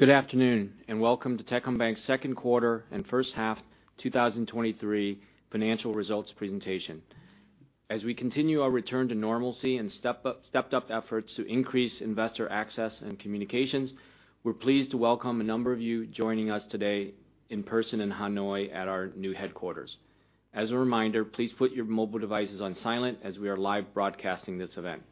Good afternoon, and welcome to Techcombank's Q2 and H1 2023 financial results presentation. As we continue our return to normalcy and stepped-up efforts to increase investor access and communications, we're pleased to welcome a number of you joining us today in person in Hanoi at our new headquarters. As a reminder, please put your mobile devices on silent as we are live broadcasting this event.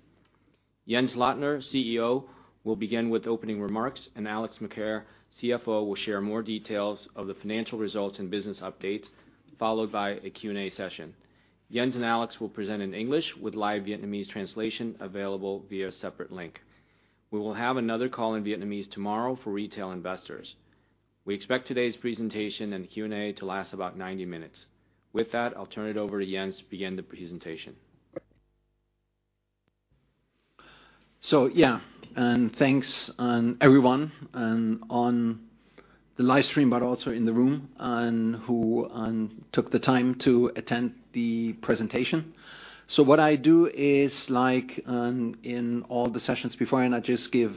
Jens Lottner, CEO, will begin with opening remarks, and Alexandre Macaire, CFO, will share more details of the financial results and business updates, followed by a Q&A session. Jens and Alexandre will present in English with live Vietnamese translation available via a separate link. We will have another call in Vietnamese tomorrow for retail investors. We expect today's presentation and Q&A to last about 90 minutes. With that, I'll turn it over to Jens to begin the presentation. Yeah, and thanks, everyone, and on the live stream, but also in the room, and who took the time to attend the presentation. What I do is like, in all the sessions before, and I just give,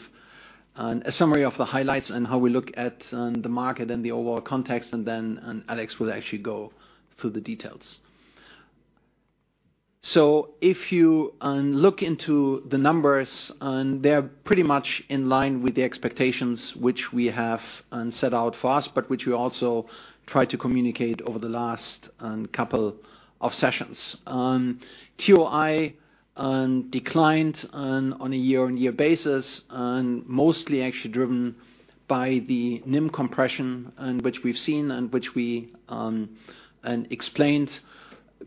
a summary of the highlights and how we look at, the market and the overall context, and then, and Alexandre will actually go through the details. If you, look into the numbers, and they're pretty much in line with the expectations which we have, set out for us, but which we also try to communicate over the last, couple of sessions. TOI declined on a year-on-year basis, mostly actually driven by the NIM compression, which we've seen and which we explained,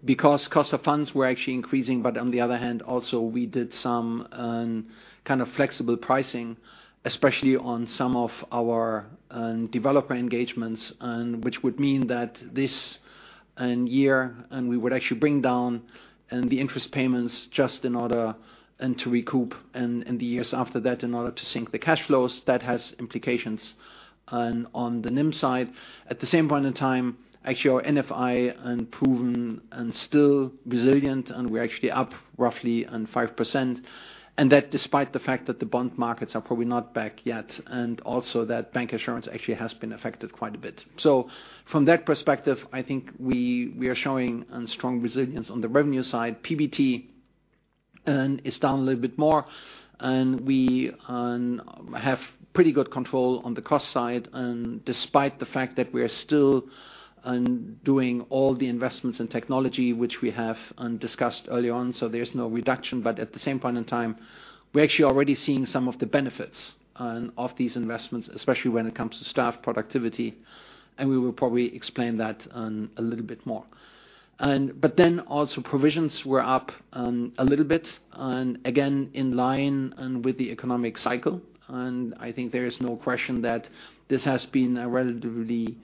because cost of funds were actually increasing. On the other hand, also, we did some kind of flexible pricing, especially on some of our developer engagements, which would mean that this year, we would actually bring down the interest payments just in order to recoup in the years after that, in order to sync the cash flows. That has implications on the NIM side. At the same point in time, actually, our NFI proven and still resilient. We're actually up roughly on 5%, that despite the fact that the bond markets are probably not back yet. Also that bancassurance actually has been affected quite a bit. From that perspective, I think we are showing a strong resilience on the revenue side. PBT is down a little bit more, and we have pretty good control on the cost side, and despite the fact that we are still doing all the investments in technology, which we have discussed early on, so there's no reduction. At the same point in time, we're actually already seeing some of the benefits of these investments, especially when it comes to staff productivity, and we will probably explain that a little bit more. Provisions were up a little bit, and again, in line with the economic cycle. I think there is no question that this has been a relatively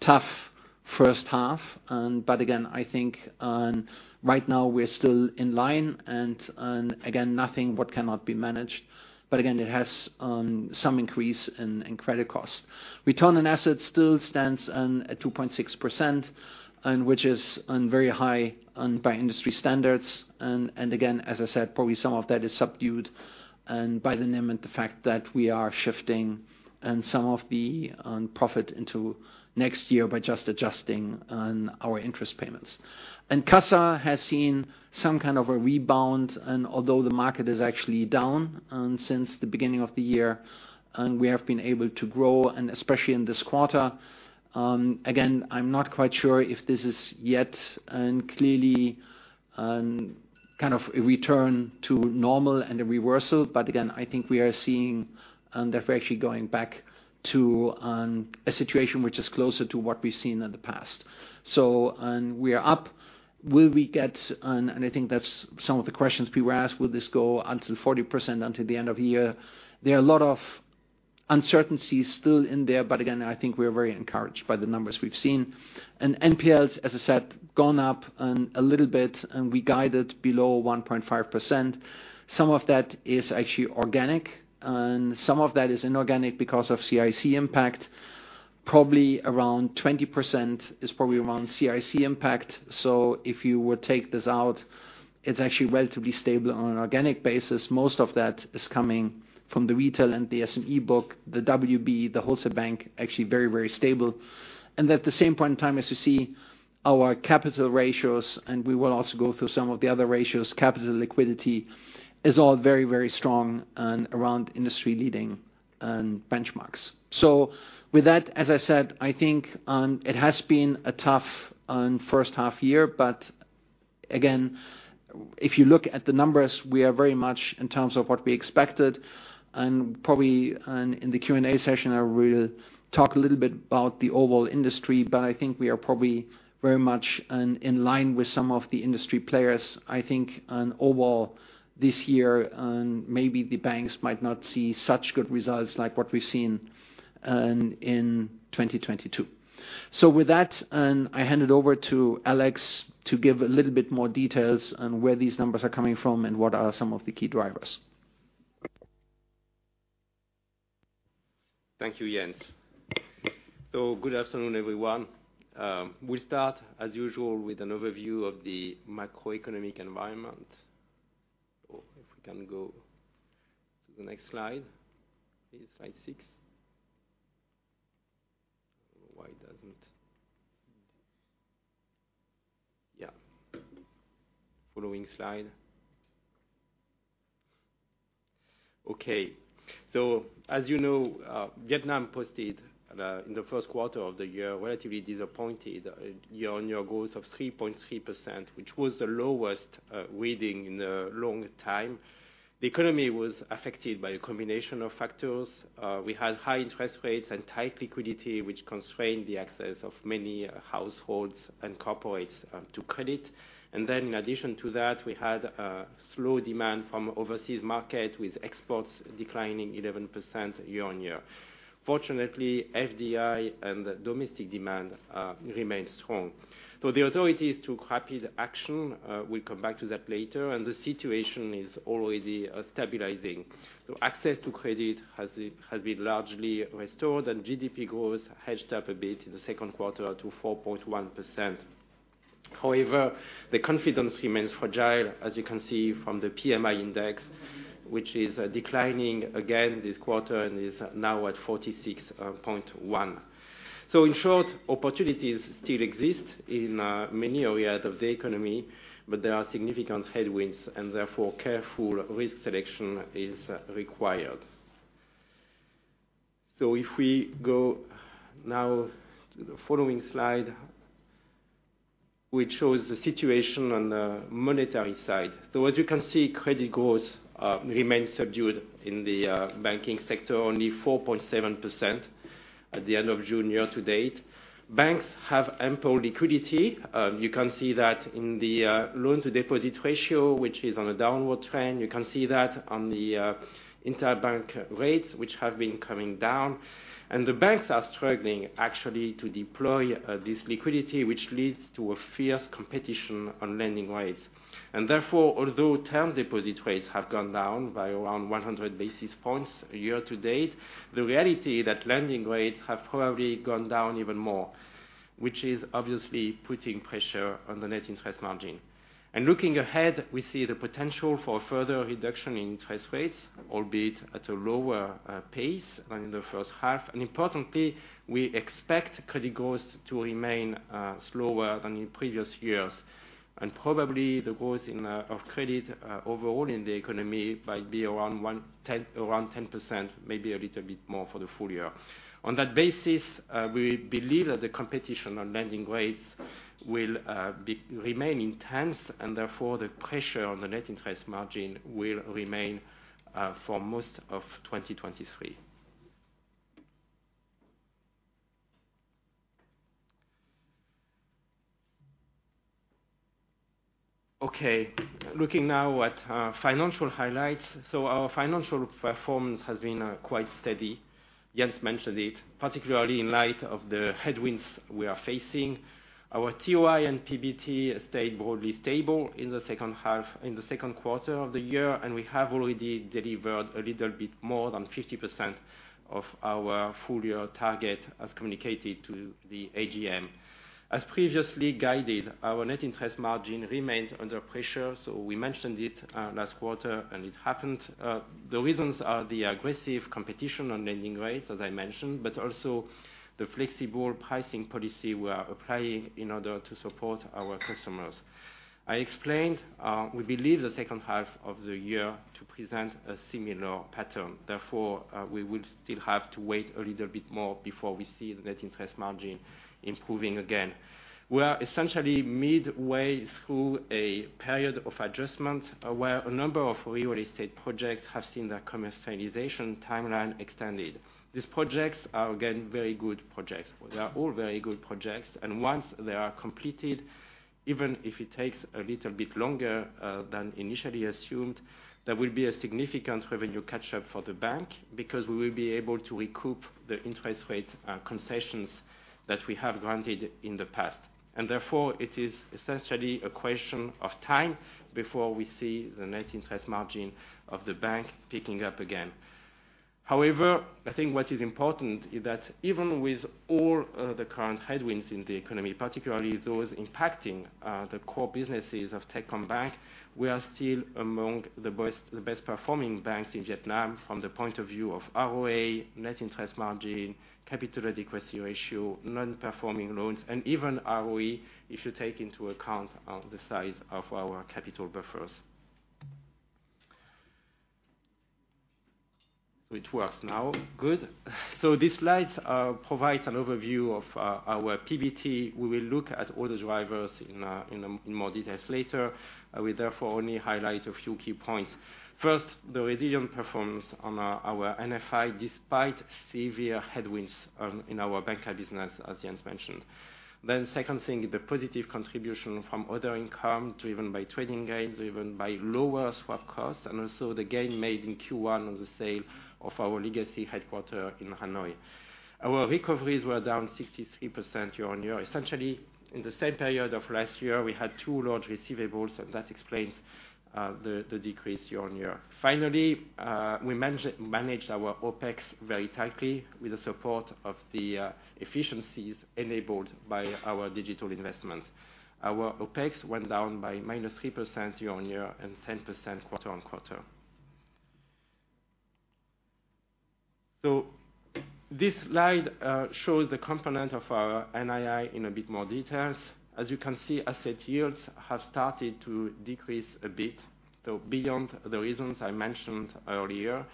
tough H1, but again, I think, right now, we're still in line, and again, nothing what cannot be managed. Again, it has some increase in credit costs. Return on assets still stands at 2.6%, and which is very high by industry standards. Again, as I said, probably some of that is subdued, and by the NIM and the fact that we are shifting, and some of the profit into next year by just adjusting our interest payments. CASA has seen some kind of a rebound, and although the market is actually down since the beginning of the year, we have been able to grow, and especially in this quarter. Again, I'm not quite sure if this is yet clearly kind of a return to normal and a reversal, but again, I think we are seeing that we're actually going back to a situation which is closer to what we've seen in the past. We are up. I think that's some of the questions we were asked: Will this go until 40% until the end of the year? There are a lot of uncertainties still in there, but again, I think we are very encouraged by the numbers we've seen. NPLs, as I said, gone up a little bit, and we guided below 1.5%. Some of that is actually organic, and some of that is inorganic because of CIC impact. Probably around 20% is probably around CIC impact. If you would take this out, it's actually relatively stable on an organic basis. Most of that is coming from the retail and the SME book, the WB, the Wholesale Bank, actually very, very stable. At the same point in time, as you see, our capital ratios, and we will also go through some of the other ratios, capital liquidity is all very, very strong and around industry-leading benchmarks. With that, as I said, I think it has been a tough H1 year, again, if you look at the numbers, we are very much in terms of what we expected, and probably in the Q&A session, I will talk a little bit about the overall industry, I think we are probably very much in line with some of the industry players. I think, overall, this year, maybe the banks might not see such good results like what we've seen, in 2022. With that, I hand it over to Alexandre to give a little bit more details on where these numbers are coming from and what are some of the key drivers. Thank you, Jens. Good afternoon, everyone. We start, as usual, with an overview of the macroeconomic environment. ... if we can go to the next slide, please, slide six. Why. Yeah. Following slide. As you know, Vietnam posted in the Q1 of the year, relatively disappointed year-on-year growth of 3.3%, which was the lowest reading in a long time. The economy was affected by a combination of factors. We had high interest rates and tight liquidity, which constrained the access of many households and corporates to credit. In addition to that, we had a slow demand from overseas market, with exports declining 11% year-on-year. Fortunately, FDI and domestic demand remained strong. The authorities took rapid action, we'll come back to that later. The situation is already stabilizing. Access to credit has been largely restored. GDP growth hedged up a bit in the Q2-4.1%. However, the confidence remains fragile, as you can see from the PMI index, which is declining again this quarter and is now at 46.1. In short, opportunities still exist in many areas of the economy, but there are significant headwinds, and therefore, careful risk selection is required. If we go now to the following slide, which shows the situation on the monetary side. As you can see, credit growth remains subdued in the banking sector, only 4.7% at the end of June year to date. Banks have ample liquidity. You can see that in the loan-to-deposit ratio, which is on a downward trend. You can see that on the interbank rates, which have been coming down. The banks are struggling actually to deploy this liquidity, which leads to a fierce competition on lending rates. Therefore, although term deposit rates have gone down by around 100 basis points year to date, the reality that lending rates have probably gone down even more, which is obviously putting pressure on the net interest margin. Looking ahead, we see the potential for further reduction in interest rates, albeit at a lower pace than in the H1. Importantly, we expect credit growth to remain slower than in previous years, and probably the growth in of credit overall in the economy might be around 10%, maybe a little bit more for the full year. On that basis, we believe that the competition on lending rates will remain intense, and therefore, the pressure on the net interest margin will remain for most of 2023. Looking now at our financial highlights. Our financial performance has been quite steady. Jens mentioned it, particularly in light of the headwinds we are facing. Our TOI and PBT stayed broadly stable in the Q2 of the year, and we have already delivered a little bit more than 50% of our full-year target, as communicated to the AGM. As previously guided, our net interest margin remained under pressure, so we mentioned it last quarter and it happened. The reasons are the aggressive competition on lending rates, as I mentioned, but also the flexible pricing policy we are applying in order to support our customers. I explained, we believe the H2 of the year to present a similar pattern. Therefore, we would still have to wait a little bit more before we see the net interest margin improving again. We are essentially midway through a period of adjustment, where a number of real estate projects have seen their commercialization timeline extended. These projects are, again, very good projects. They are all very good projects, and once they are completed, even if it takes a little bit longer than initially assumed, there will be a significant revenue catch-up for the bank, because we will be able to recoup the interest rate concessions that we have granted in the past. Therefore, it is essentially a question of time before we see the net interest margin of the bank picking up again. However, I think what is important is that even with all the current headwinds in the economy, particularly those impacting the core businesses of Techcombank, we are still among the best performing banks in Vietnam from the point of view of ROA, net interest margin, capital adequacy ratio, non-performing loans, and even ROE, if you take into account the size of our capital buffers. It works now. Good. This slide provides an overview of our PBT. We will look at all the drivers in more details later. I will therefore only highlight a few key points. First, the resilient performance on our NFI, despite severe headwinds in our banker business, as Jens mentioned. Second thing, the positive contribution from other income, driven by trading gains, driven by lower swap costs, and also the gain made in Q1 on the sale of our legacy headquarter in Hanoi. Our recoveries were down 63% year-on-year. Essentially, in the same period of last year, we had two large receivables, and that explains the decrease year-on-year. Finally, we managed our OpEx very tightly with the support of the efficiencies enabled by our digital investments. Our OpEx went down by -3% year-on-year and 10% quarter-on-quarter. This slide shows the component of our NII in a bit more details. As you can see, asset yields have started to decrease a bit, though beyond the reasons I mentioned earlier,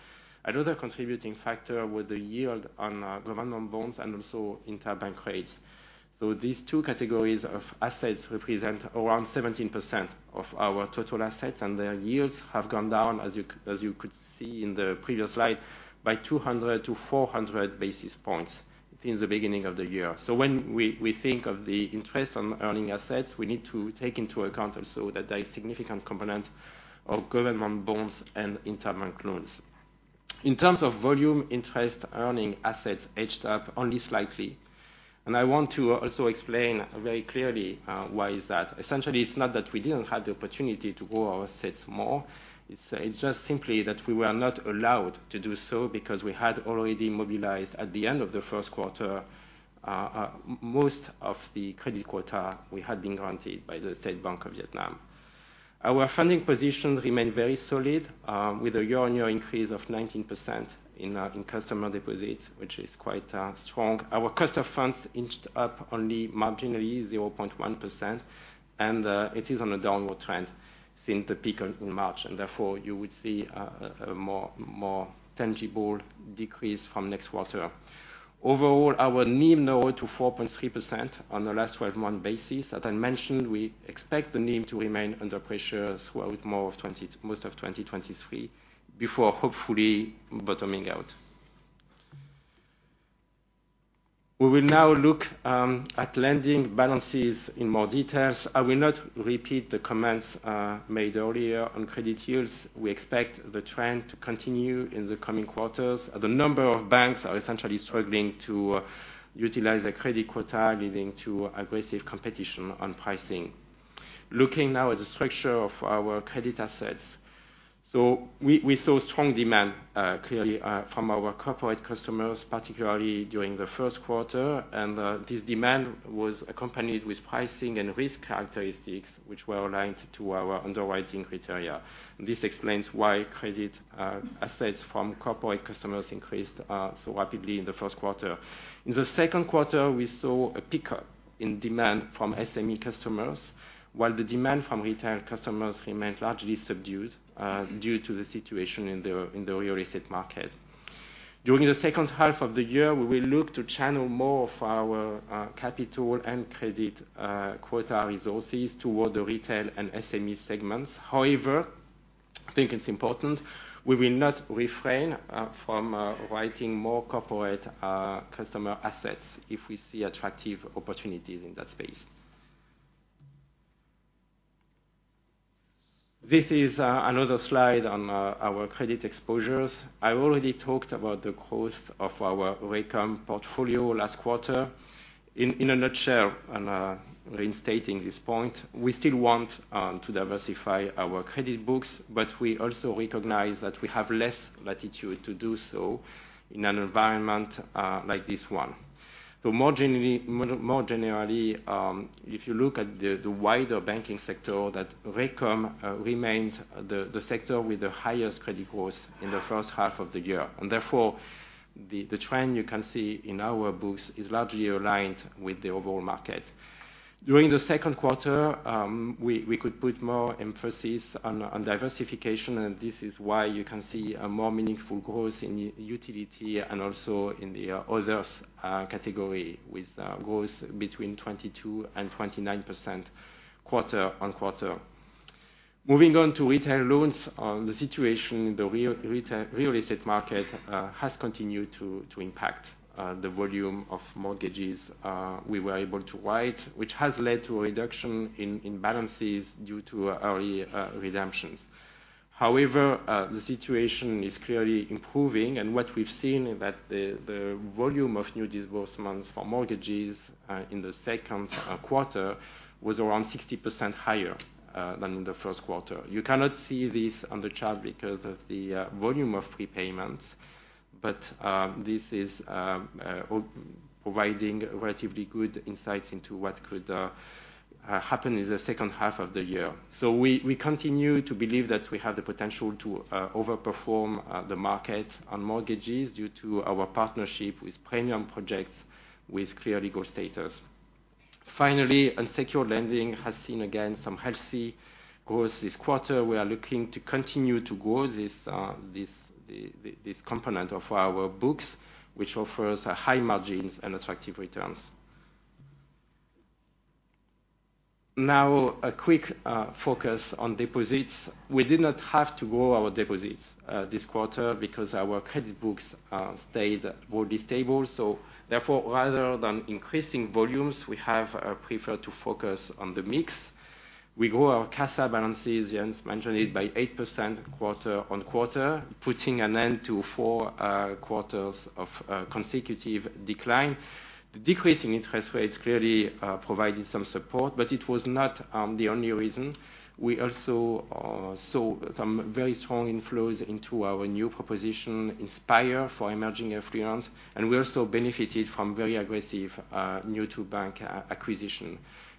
another contributing factor was the yield on government bonds and also interbank rates. These two categories of assets represent around 17% of our total assets, and their yields have gone down, as you could see in the previous slide, by 200 basis points-400 basis points since the beginning of the year. When we think of the interest on earning assets, we need to take into account also that there is a significant component of government bonds and interbank loans. In terms of volume, interest earning assets edged up only slightly, and I want to also explain very clearly why is that. Essentially, it's not that we didn't have the opportunity to grow our assets more, it's just simply that we were not allowed to do so because we had already mobilized at the end of the Q1, most of the credit quota we had been granted by the State Bank of Vietnam. Our funding positions remain very solid, with a year-on-year increase of 19% in customer deposits, which is quite strong. Our cost of funds inched up only marginally, 0.1%, and it is on a downward trend since the peak in March, and therefore, you would see a more tangible decrease from next quarter. Overall, our NIM narrowed to 4.3% on the last 12-month basis. As I mentioned, we expect the NIM to remain under pressure as well with more of 20... most of 2023, before hopefully bottoming out. We will now look at lending balances in more details. I will not repeat the comments made earlier on credit yields. We expect the trend to continue in the coming quarters, as a number of banks are essentially struggling to utilize their credit quota, leading to aggressive competition on pricing. Looking now at the structure of our credit assets. We saw strong demand clearly from our corporate customers, particularly during the Q1, and this demand was accompanied with pricing and risk characteristics, which were aligned to our underwriting criteria. This explains why credit assets from corporate customers increased so rapidly in the Q1. In the Q2, we saw a pickup in demand from SME customers, while the demand from retail customers remained largely subdued, due to the situation in the real estate market. During the H2 of the year, we will look to channel more of our capital and credit quota resources toward the retail and SME segments. However, I think it's important, we will not refrain from writing more corporate customer assets if we see attractive opportunities in that space. This is another slide on our credit exposures. I already talked about the growth of our ReCoM portfolio last quarter. In a nutshell, and reinstating this point, we still want to diversify our credit books, but we also recognize that we have less latitude to do so in an environment like this one. More generally, if you look at the wider banking sector, ReCoM remains the sector with the highest credit growth in the H1 of the year, the trend you can see in our books is largely aligned with the overall market. During the Q2, we could put more emphasis on diversification, this is why you can see a more meaningful growth in utility and also in the others category, with growth between 22% and 29% quarter-on-quarter. Moving on to retail loans, the situation in the real estate market has continued to impact the volume of mortgages we were able to write, which has led to a reduction in balances due to early redemptions. However, the situation is clearly improving, what we've seen is that the volume of new disbursements for mortgages in the Q2 was around 60% higher than in the Q1. You cannot see this on the chart because of the volume of prepayments, but this is providing relatively good insight into what could happen in the H2 of the year. We continue to believe that we have the potential to overperform the market on mortgages due to our partnership with premium projects with clear legal status. Finally, unsecured lending has seen again some healthy growth this quarter. We are looking to continue to grow this component of our books, which offers high margins and attractive returns. Now, a quick focus on deposits. We did not have to grow our deposits this quarter because our credit books stayed relatively stable. Rather than increasing volumes, we have preferred to focus on the mix. We grew our CASA balances, I mentioned it, by 8% quarter on quarter, putting an end to four quarters of consecutive decline. The decrease in interest rates clearly provided some support, but it was not the only reason. We also saw some very strong inflows into our new proposition, Inspire for Emerging Affluence, and we also benefited from very aggressive new-to-bank acquisition.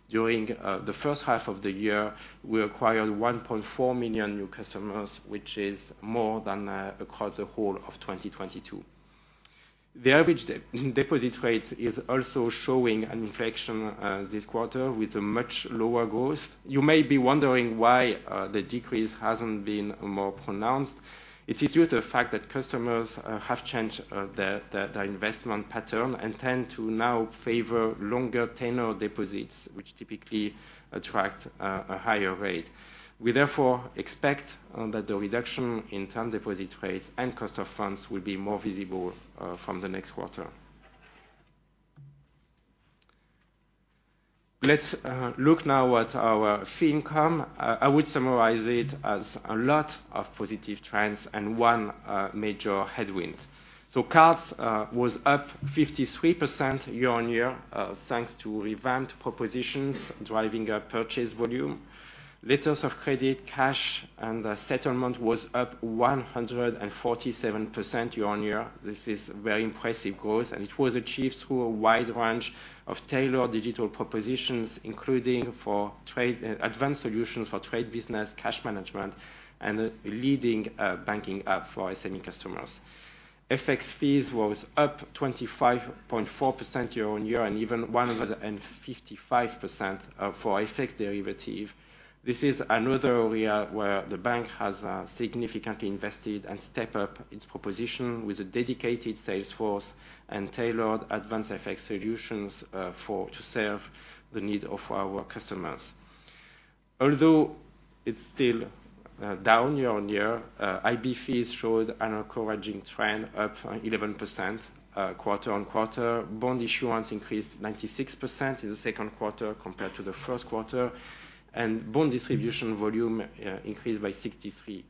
During the H1 of the year, we acquired 1.4 million new customers, which is more than across the whole of 2022. The average deposit rate is also showing an inflection this quarter with a much lower growth. You may be wondering why the decrease hasn't been more pronounced. It is due to the fact that customers have changed their, their investment pattern, and tend to now favor longer tenure deposits, which typically attract a higher rate. We therefore expect that the reduction in term deposit rates and cost of funds will be more visible from the next quarter. Let's look now at our fee income. I would summarize it as a lot of positive trends and one major headwind. Cards was up 53% year-on-year, thanks to revamped propositions, driving up purchase volume. Letters of credit, cash, and settlement was up 147% year-on-year. This is very impressive growth. It was achieved through a wide range of tailored digital propositions, including advanced solutions for trade business, cash management, and a leading banking app for SME customers. FX fees was up 25.4% year-on-year, and even 155% for FX derivative. This is another area where the bank has significantly invested and step up its proposition with a dedicated sales force and tailored advanced FX solutions to serve the needs of our customers. Although it's still down year-on-year, IB fees showed an encouraging trend, up 11% quarter-on-quarter. Bond issuance increased 96% in the Q2 compared to the Q1, and bond distribution volume increased by 63%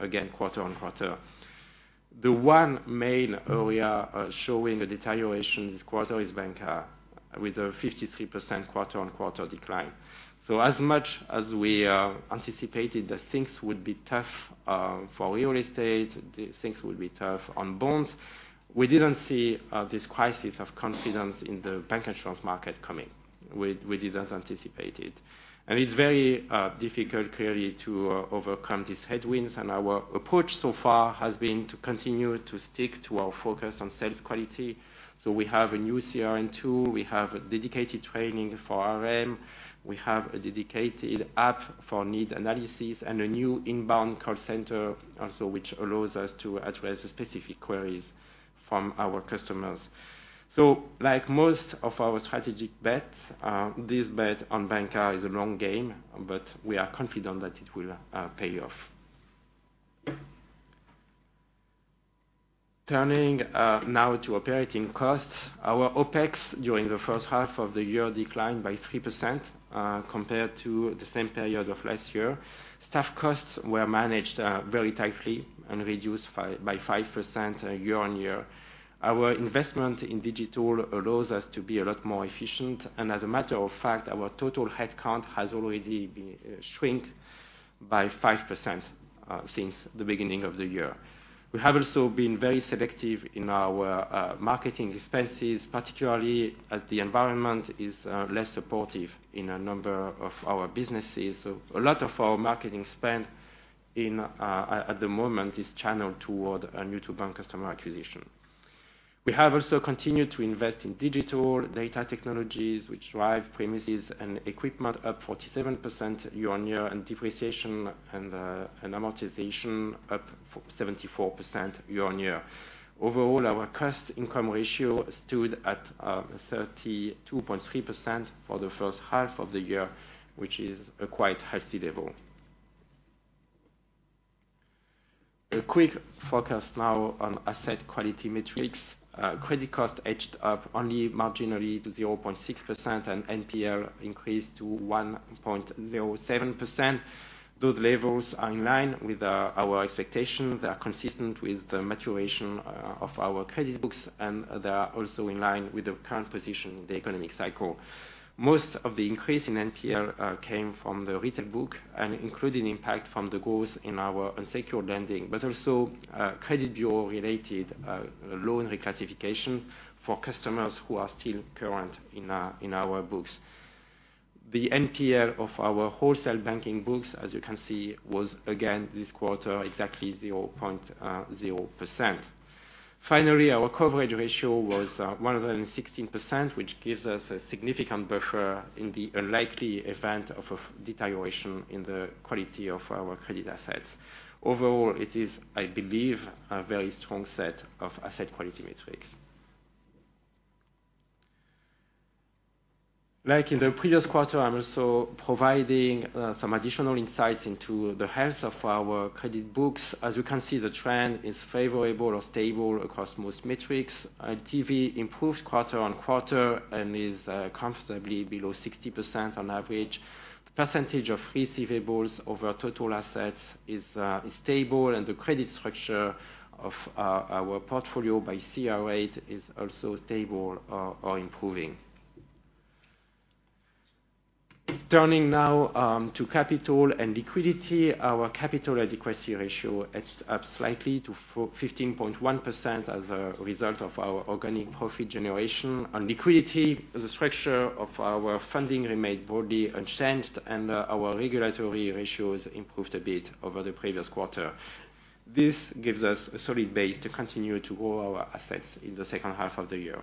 again, quarter-on-quarter. The one main area showing a deterioration this quarter is bancassurance, with a 53% quarter-on-quarter decline. As much as we anticipated that things would be tough for real estate, things would be tough on bonds, we didn't see this crisis of confidence in the bancassurance market coming. We didn't anticipate it. It's very difficult, clearly, to overcome these headwinds, and our approach so far has been to continue to stick to our focus on sales quality. We have a new CRN tool, we have a dedicated training for RM, we have a dedicated app for need analysis, and a new inbound call center also, which allows us to address specific queries from our customers. Like most of our strategic bets, this bet on bancassurance is a long game, but we are confident that it will pay off. Turning now to operating costs. Our OpEx during the H1 of the year declined by 3% compared to the same period of last year. Staff costs were managed very tightly and reduced by 5% year-on-year. Our investment in digital allows us to be a lot more efficient, and as a matter of fact, our total headcount has already been shrinked by 5% since the beginning of the year. We have also been very selective in our marketing expenses, particularly as the environment is less supportive in a number of our businesses. A lot of our marketing spend in the moment is channeled toward new-to-bank customer acquisition. We have also continued to invest in digital, data technologies, which drive premises and equipment up 47% year-on-year, and depreciation and amortization up 74% year-on-year. Overall, our cost-to-income ratio stood at 32.3% for the H1 of the year, which is a quite healthy level. A quick focus now on asset quality metrics. Credit cost edged up only marginally to 0.6%, and NPL increased to 1.07%. Those levels are in line with our expectations. They are consistent with the maturation of our credit books, and they are also in line with the current position in the economic cycle. Most of the increase in NPL came from the retail book and including impact from the growth in our unsecured lending, but also, credit bureau-related loan reclassification for customers who are still current in our books. The NPL of our wholesale banking books, as you can see, was again this quarter, exactly 0.0%. Finally, our coverage ratio was 116%, which gives us a significant buffer in the unlikely event of a deterioration in the quality of our credit assets. Overall, it is, I believe, a very strong set of asset quality metrics. Like in the previous quarter, I'm also providing some additional insights into the health of our credit books. As you can see, the trend is favorable or stable across most metrics. NTV improved quarter-on-quarter and is comfortably below 60% on average. Percentage of receivables over total assets is stable, and the credit structure of our portfolio by CR8 is also stable or improving. Turning now to capital and liquidity. Our capital adequacy ratio edged up slightly to 15.1% as a result of our organic profit generation. On liquidity, the structure of our funding remained broadly unchanged, and our regulatory ratios improved a bit over the previous quarter. This gives us a solid base to continue to grow our assets in the H2 of the year.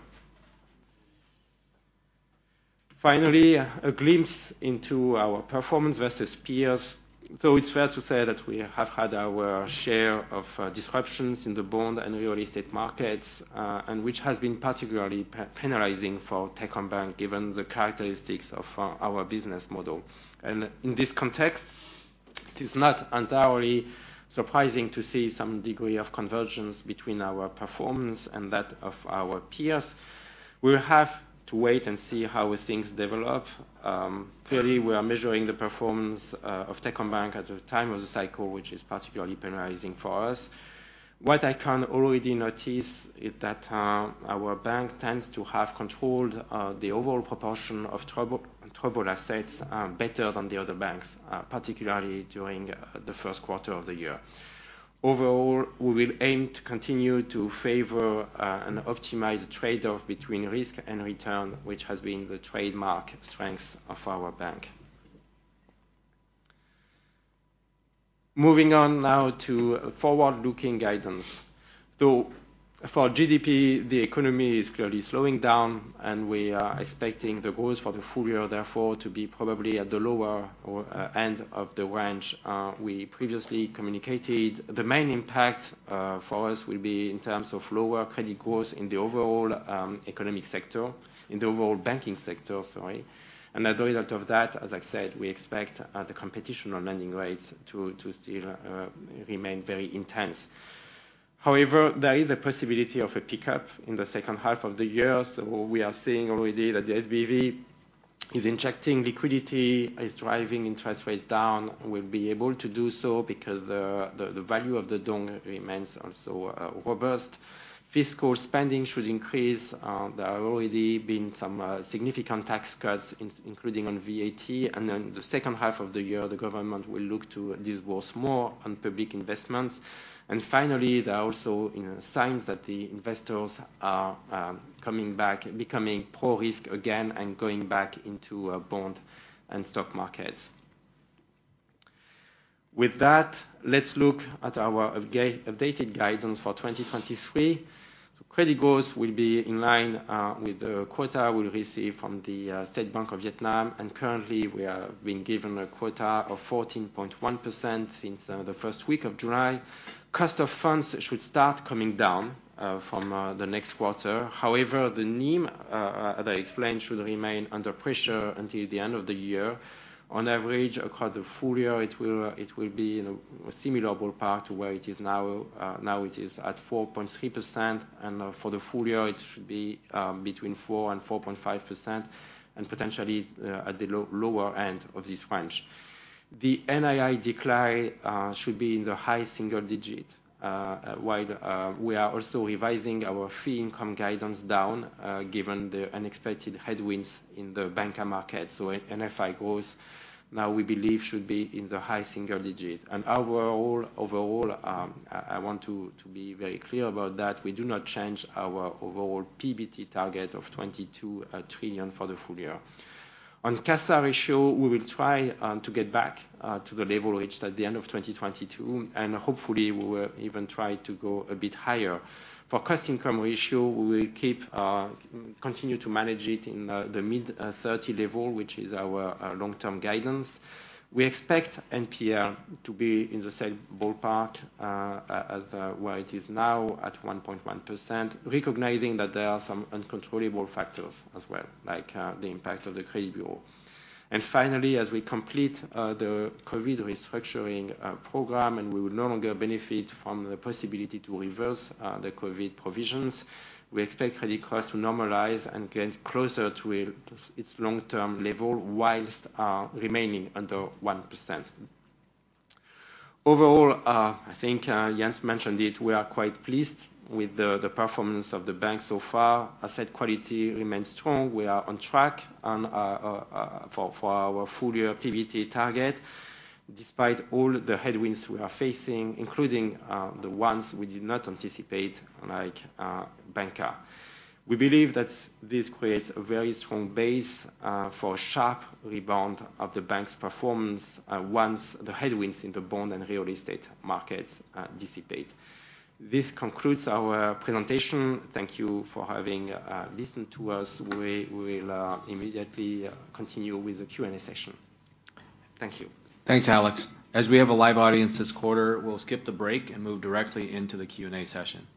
Finally, a glimpse into our performance versus peers. It's fair to say that we have had our share of disruptions in the bond and real estate markets, and which has been particularly penalizing for Techcombank, given the characteristics of our business model. In this context, it is not entirely surprising to see some degree of convergence between our performance and that of our peers. We'll have to wait and see how things develop. Clearly, we are measuring the performance of Techcombank at a time of the cycle, which is particularly penalizing for us. What I can already notice is that our bank tends to have controlled the overall proportion of troubled assets better than the other banks, particularly during the Q1 of the year. Overall, we will aim to continue to favor and optimize the trade-off between risk and return, which has been the trademark strength of our bank. Moving on now to forward-looking guidance. For GDP, the economy is clearly slowing down, and we are expecting the growth for the full year, therefore, to be probably at the lower or end of the range we previously communicated. The main impact for us will be in terms of lower credit growth in the overall banking sector, sorry. As a result of that, as I said, we expect the competition on lending rates to still remain very intense. However, there is a possibility of a pickup in the H2 of the year. What we are seeing already, that the SBV is injecting liquidity, is driving interest rates down, will be able to do so because the value of the dong remains also robust. Fiscal spending should increase. There are already been some significant tax cuts, including on VAT, and then the H2 of the year, the government will look to disperse more on public investments. Finally, there are also, you know, signs that the investors are coming back, becoming pro risk again and going back into bond and stock markets. With that, let's look at our updated guidance for 2023. Credit growth will be in line with the quota we receive from the State Bank of Vietnam, and currently, we have been given a quota of 14.1% since the first week of July. Cost of funds should start coming down from the next quarter. However, the NIM, as I explained, should remain under pressure until the end of the year. On average, across the full year, it will be in a similar ballpark to where it is now. Now it is at 4.3%, and for the full year, it should be between 4% and 4.5%, and potentially at the lower end of this range. The NII decline should be in the high single digits, while we are also revising our fee income guidance down given the unexpected headwinds in the bancassurance market. NFI growth, now we believe, should be in the high single digits. Overall, I want to be very clear about that, we do not change our overall PBT target of 22 trillion for the full year. On CASA ratio, we will try to get back to the level reached at the end of 2022, and hopefully, we will even try to go a bit higher. For cost-to-income ratio, we will keep continue to manage it in the mid-30 level, which is our long-term guidance. We expect NPL to be in the same ballpark as where it is now, at 1.1%, recognizing that there are some uncontrollable factors as well, like the impact of the credit bureau. Finally, as we complete the COVID restructuring program, and we will no longer benefit from the possibility to reverse the COVID provisions, we expect credit costs to normalize and get closer to its long-term level, whilst remaining under 1%. Overall, I think Jens mentioned it, we are quite pleased with the performance of the bank so far. Asset quality remains strong. We are on track for our full year PBT target, despite all the headwinds we are facing, including the ones we did not anticipate, like banker. We believe that this creates a very strong base for a sharp rebound of the bank's performance once the headwinds in the bond and real estate markets dissipate. This concludes our presentation. Thank you for having listened to us. We will immediately continue with the Q&A session. Thank you. Thanks, Alexandre. As we have a live audience this quarter, we'll skip the break and move directly into the Q&A session.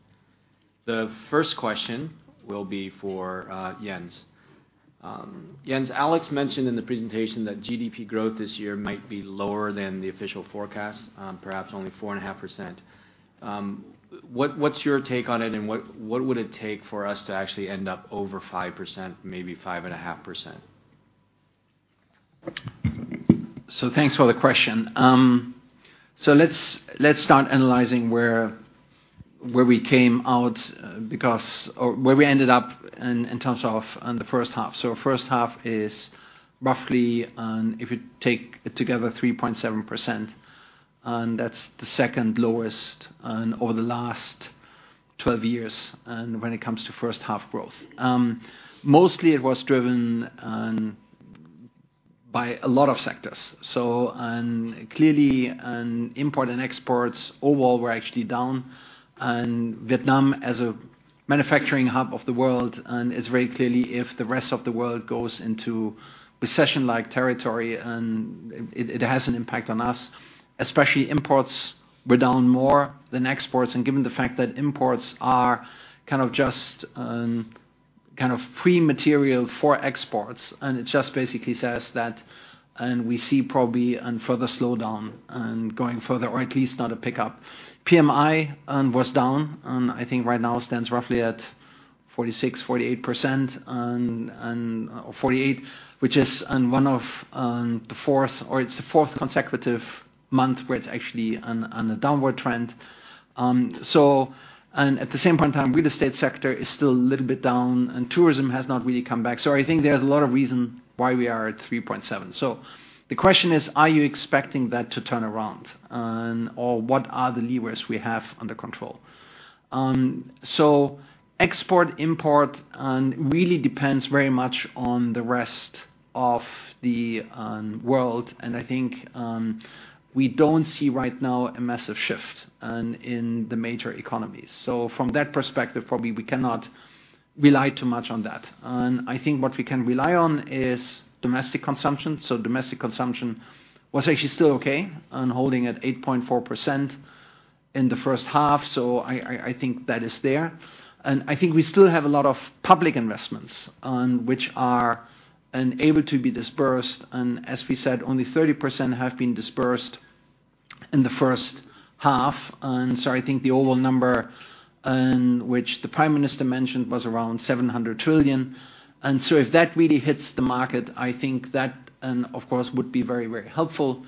The first question will be for Jens. Jens, Alexandre mentioned in the presentation that GDP growth this year might be lower than the official forecast, perhaps only 4.5%. What's your take on it, and what would it take for us to actually end up over 5%, maybe 5.5%? Thanks for the question. Let's start analyzing where we came out, or where we ended up in terms of on the H1. H1 is roughly, if you take it together, 3.7%, and that's the second lowest, over the last 12 years, when it comes to H1 growth. Mostly, it was driven. ... by a lot of sectors. Clearly, import and exports overall were actually down. Vietnam, as a manufacturing hub of the world, it's very clearly, if the rest of the world goes into recession-like territory, it has an impact on us. Especially imports were down more than exports, given the fact that imports are kind of just pre-material for exports, it just basically says that we see probably further slowdown, going further, or at least not a pickup. PMI was down. I think right now stands roughly at 46%-48%, or 48%, which is the fourth consecutive month where it's actually on a downward trend. At the same point in time, real estate sector is still a little bit down, and tourism has not really come back. I think there's a lot of reason why we are at 3.7%. The question is: Are you expecting that to turn around? Or what are the levers we have under control? Export/import really depends very much on the rest of the world, and I think we don't see right now a massive shift in the major economies. From that perspective, probably we cannot rely too much on that. I think what we can rely on is domestic consumption. Domestic consumption was actually still okay, and holding at 8.4% in the H1, so I, I think that is there. I think we still have a lot of public investments, which are and able to be disbursed, and as we said, only 30% have been disbursed in the H1. I think the overall number, and which the Prime Minister mentioned, was around 700 trillion. If that really hits the market, I think that, of course, would be very, very helpful.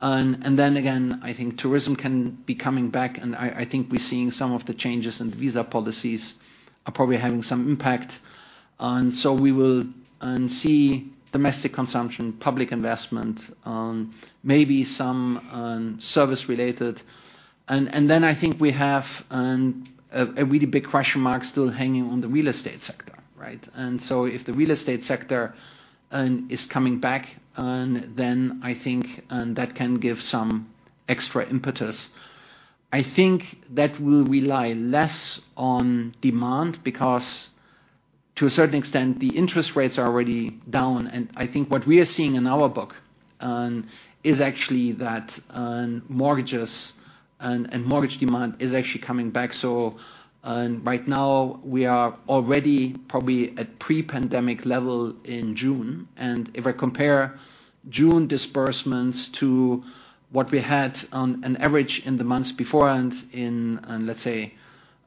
Then again, I think tourism can be coming back, and I think we're seeing some of the changes in the visa policies are probably having some impact. We will see domestic consumption, public investment, maybe some service related. Then I think we have a really big question mark still hanging on the real estate sector, right? If the real estate sector is coming back, then I think that can give some extra impetus. I think that will rely less on demand, because to a certain extent, the interest rates are already down. I think what we are seeing in our book is actually that mortgages and mortgage demand is actually coming back. Right now, we are already probably at pre-pandemic level in June. If I compare June disbursements to what we had on an average in the months beforehand, in, let's say,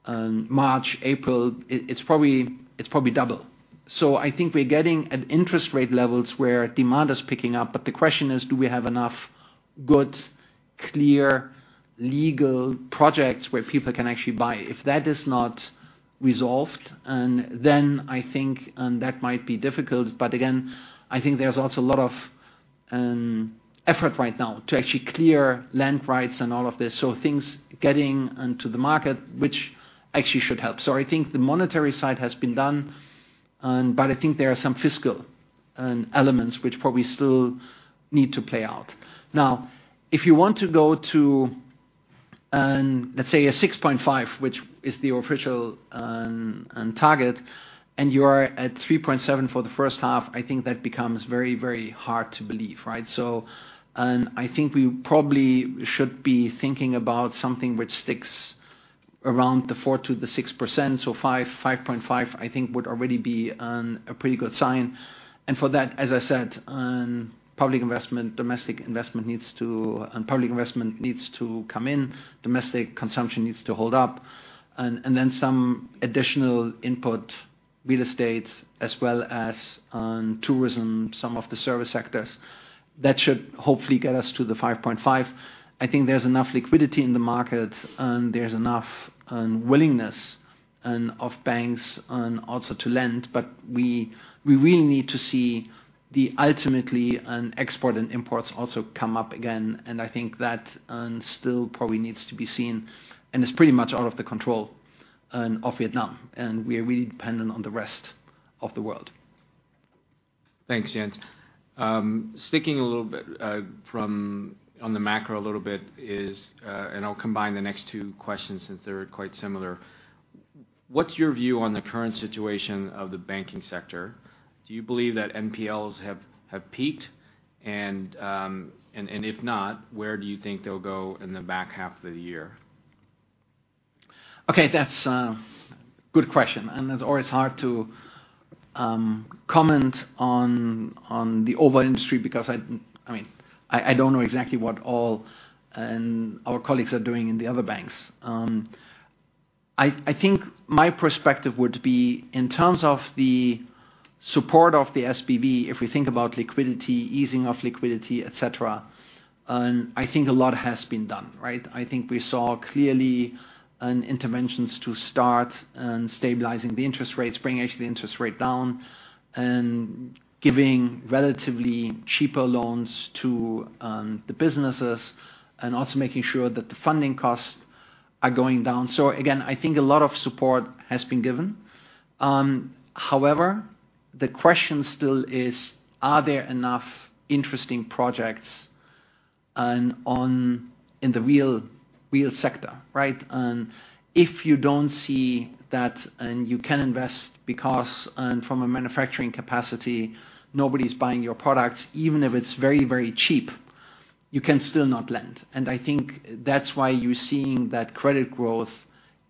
March, April, it's probably double. I think we're getting at interest rate levels where demand is picking up, but the question is: Do we have enough good, clear, legal projects where people can actually buy? If that is not resolved, I think that might be difficult. Again, I think there's also a lot of effort right now to actually clear land rights and all of this, so things getting into the market, which actually should help. I think the monetary side has been done, but I think there are some fiscal elements which probably still need to play out. If you want to go to, let's say a 6.5%, which is the official target, and you are at 3.7% for the H1, I think that becomes very, very hard to believe, right? I think we probably should be thinking about something which sticks around the 4%-6%, so 5.5% I think would already be a pretty good sign. For that, as I said, public investment, domestic investment needs to come in, domestic consumption needs to hold up, and then some additional input, real estate, as well as, tourism, some of the service sectors. That should hopefully get us to the 5.5%. I think there's enough liquidity in the market, and there's enough willingness of banks also to lend. We really need to see the ultimately export and imports also come up again. I think that still probably needs to be seen, and is pretty much out of the control of Vietnam, and we are really dependent on the rest of the world. Thanks, Jens. Sticking a little bit on the macro a little bit is, I'll combine the next two questions since they're quite similar: What's your view on the current situation of the banking sector? Do you believe that NPLs have peaked? If not, where do you think they'll go in the back half of the year? Okay, that's a good question, and it's always hard to comment on the overall industry, because I mean, I don't know exactly what all our colleagues are doing in the other banks. I think my perspective would be in terms of the support of the SPV, if we think about liquidity, easing of liquidity, et cetera, I think a lot has been done, right? I think we saw clearly an interventions to start stabilizing the interest rates, bringing actually the interest rate down, and giving relatively cheaper loans to the businesses, and also making sure that the funding costs are going down. Again, I think a lot of support has been given. However, the question still is: Are there enough interesting projects and on, in the real sector, right? If you don't see that, and you can invest, because, from a manufacturing capacity, nobody's buying your products, even if it's very, very cheap, you can still not lend. I think that's why you're seeing that credit growth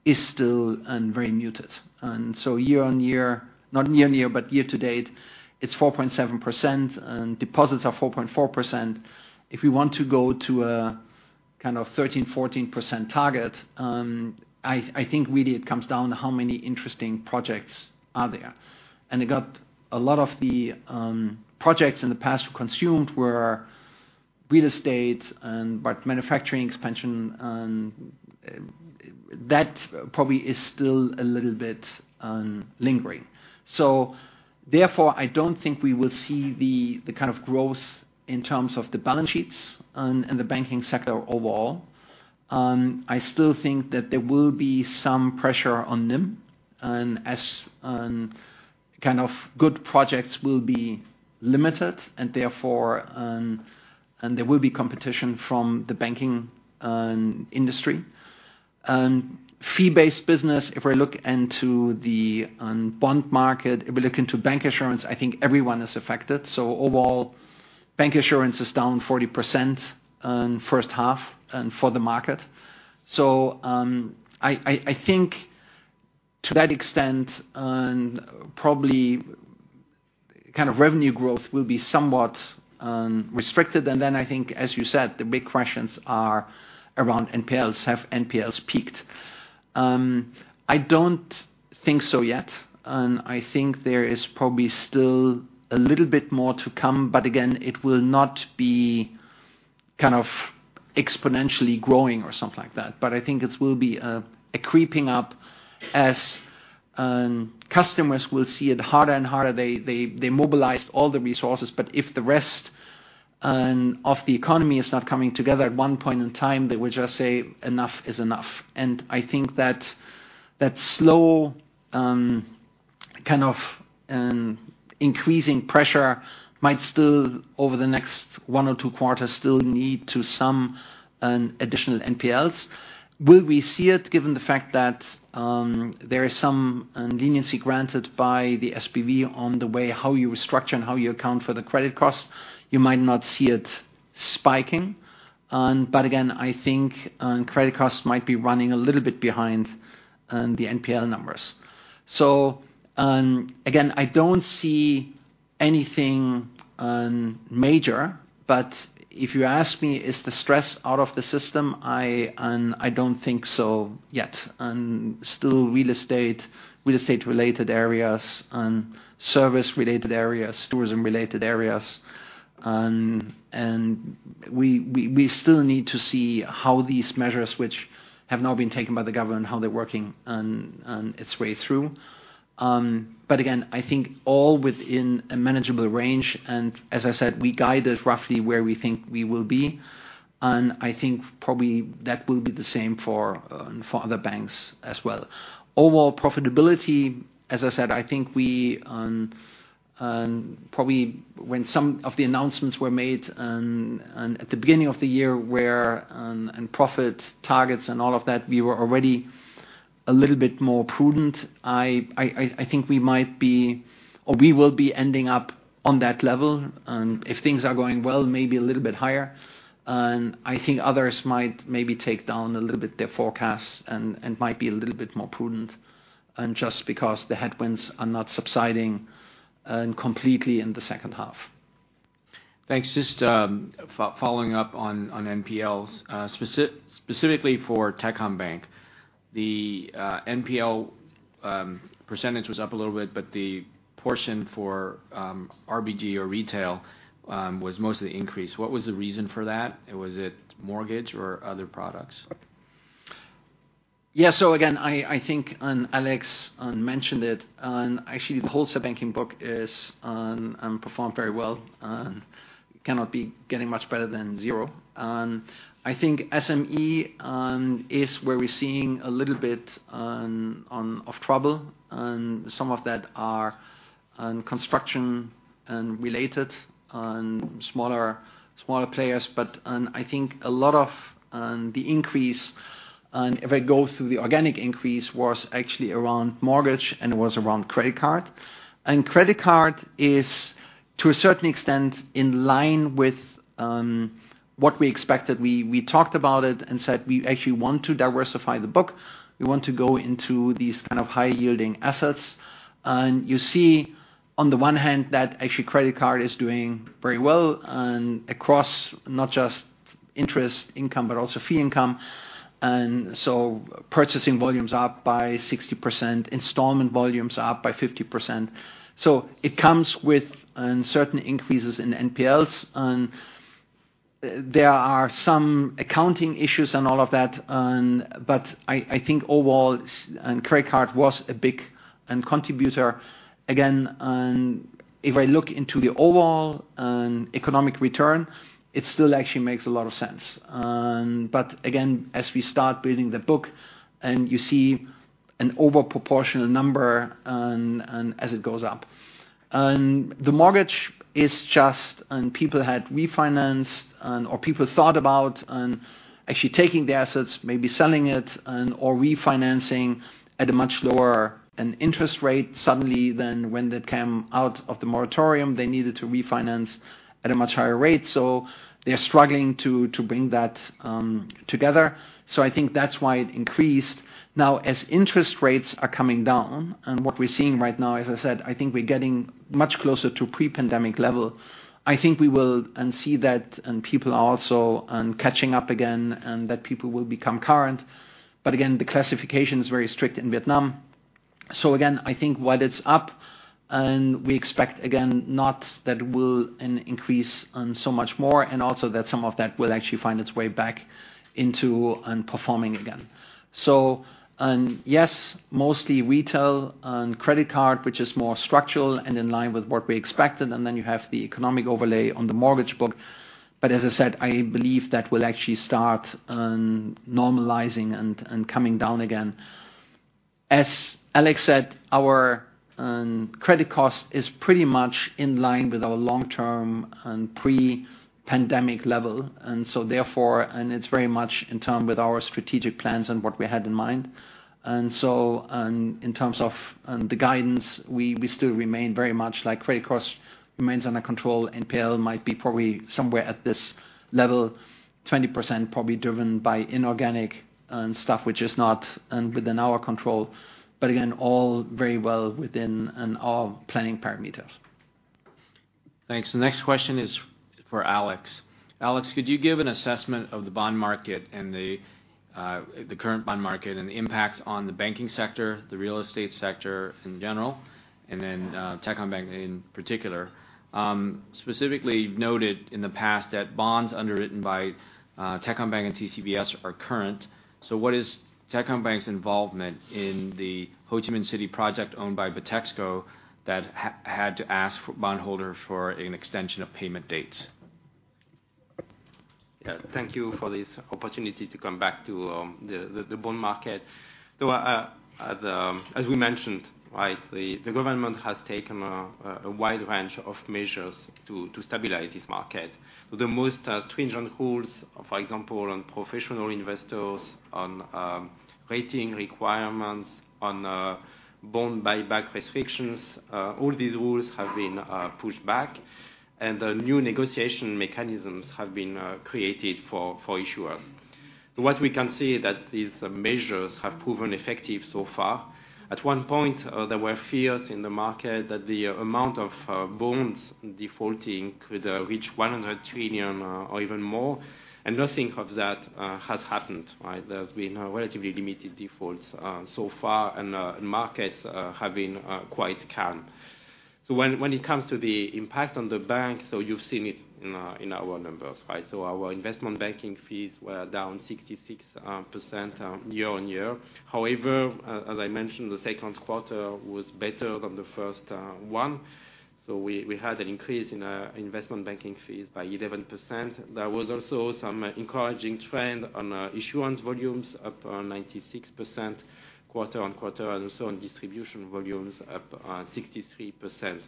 is still very muted. Not year-on-year, but year-to-date, it's 4.7%, and deposits are 4.4%. If we want to go to a kind of 13%, 14% target, I think really it comes down to how many interesting projects are there. They got a lot of the projects in the past consumed were real estate and but manufacturing expansion, and that probably is still a little bit lingering. Therefore, I don't think we will see the kind of growth in terms of the balance sheets and the banking sector overall. I still think that there will be some pressure on NIM, as kind of good projects will be limited, and therefore, there will be competition from the banking industry. Fee-based business, if we look into the bond market, if we look into bank insurance, I think everyone is affected. Overall, bank insurance is down 40% H1 and for the market. I, I think to that extent and probably kind of revenue growth will be somewhat restricted, then I think, as you said, the big questions are around NPLs. Have NPLs peaked? I don't think so yet, and I think there is probably still a little bit more to come, but again, it will not be kind of exponentially growing or something like that. I think it will be a creeping up as customers will see it harder and harder. They mobilized all the resources, but if the rest of the economy is not coming together, at one point in time, they will just say, "Enough is enough." I think that slow, kind of an increasing pressure might still, over the next one or two quarters, still lead to some additional NPLs. Will we see it, given the fact that there is some leniency granted by the SPV on the way, how you structure and how you account for the credit costs? You might not see it spiking, again, I think, credit costs might be running a little bit behind the NPL numbers. Again, I don't see anything major, but if you ask me, "Is the stress out of the system?" I don't think so yet. Still, real estate, real estate-related areas and service-related areas, tourism-related areas, and we still need to see how these measures, which have now been taken by the government, how they're working on its way through. Again, I think all within a manageable range, and as I said, we guided roughly where we think we will be, and I think probably that will be the same for other banks as well. Overall profitability, as I said, I think we probably when some of the announcements were made, and at the beginning of the year, where, and profit targets and all of that, we were already a little bit more prudent. I think we might be, or we will be ending up on that level, and if things are going well, maybe a little bit higher. I think others might maybe take down a little bit their forecasts and might be a little bit more prudent, and just because the headwinds are not subsiding completely in the H2. Thanks. Just following up on NPLs. Specifically for Techcombank, the NPL % was up a little bit, but the portion for RBG or retail was mostly increased. What was the reason for that? Was it mortgage or other products? Again, I think, and Alexandre mentioned it, actually, the wholesale banking book is performed very well, and cannot be getting much better than zero. I think SME is where we're seeing a little bit of trouble, and some of that are construction and related smaller players. I think a lot of the increase, if I go through the organic increase, was actually around mortgage, and it was around credit card. Credit card is, to a certain extent, in line with what we expected. We talked about it and said we actually want to diversify the book. We want to go into these kind of high-yielding assets. You see, on the one hand, that actually credit card is doing very well, across not just interest income, but also fee income. Purchasing volume's up by 60%, installment volume's up by 50%. It comes with certain increases in NPLs, and there are some accounting issues and all of that. I think overall, credit card was a big contributor again, if I look into the overall economic return, it still actually makes a lot of sense. Again, as we start building the book and you see an overproportional number, as it goes up. The mortgage people had refinanced or people thought about actually taking the assets, maybe selling it or refinancing at a much lower interest rate. Suddenly, then, when they came out of the moratorium, they needed to refinance at a much higher rate, so they are struggling to bring that together. I think that's why it increased. Now, as interest rates are coming down, and what we're seeing right now, as I said, I think we're getting much closer to pre-pandemic level. I think we will see that, and people are also catching up again, and that people will become current. Again, the classification is very strict in Vietnam. Again, I think while it's up, and we expect again, not that will increase so much more, and also that some of that will actually find its way back into performing again. Yes, mostly retail and credit card, which is more structural and in line with what we expected, and then you have the economic overlay on the mortgage book. As I said, I believe that will actually start normalizing and coming down again. As Alexandre said, our credit cost is pretty much in line with our long-term and pre-pandemic level. It's very much in term with our strategic plans and what we had in mind. In terms of the guidance, we still remain very much like credit cost remains under control. NPL might be probably somewhere at this level, 20%, probably driven by inorganic and stuff, which is not within our control, but again, all very well within all planning parameters. Thanks. The next question is for Alexandre. Alexandre, could you give an assessment of the bond market and the current bond market, and the impacts on the banking sector, the real estate sector in general, and then Techcombank in particular? Specifically, you've noted in the past that bonds underwritten by Techcombank and TCBS are current. What is Techcombank's involvement in the Ho Chi Minh City project owned by Bitexco that had to ask for bondholder for an extension of payment dates? Yeah, thank you for this opportunity to come back to the bond market. As we mentioned, right, the government has taken a wide range of measures to stabilize this market. The most stringent rules, for example, on professional investors, on rating requirements, on bond buyback restrictions, all these rules have been pushed back, and the new negotiation mechanisms have been created for issuers. What we can see that these measures have proven effective so far. At one point, there were fears in the market that the amount of bonds defaulting could reach 100 trillion or even more, and nothing of that has happened, right? There's been a relatively limited default so far, and markets have been quite calm. When it comes to the impact on the bank, you've seen it in our numbers, right? Our investment banking fees were down 66% year-on-year. However, as I mentioned, the Q2 was better than the first one, so we had an increase in investment banking fees by 11%. There was also some encouraging trend on issuance volumes up 96% quarter-on-quarter, and so on distribution volumes up 63%.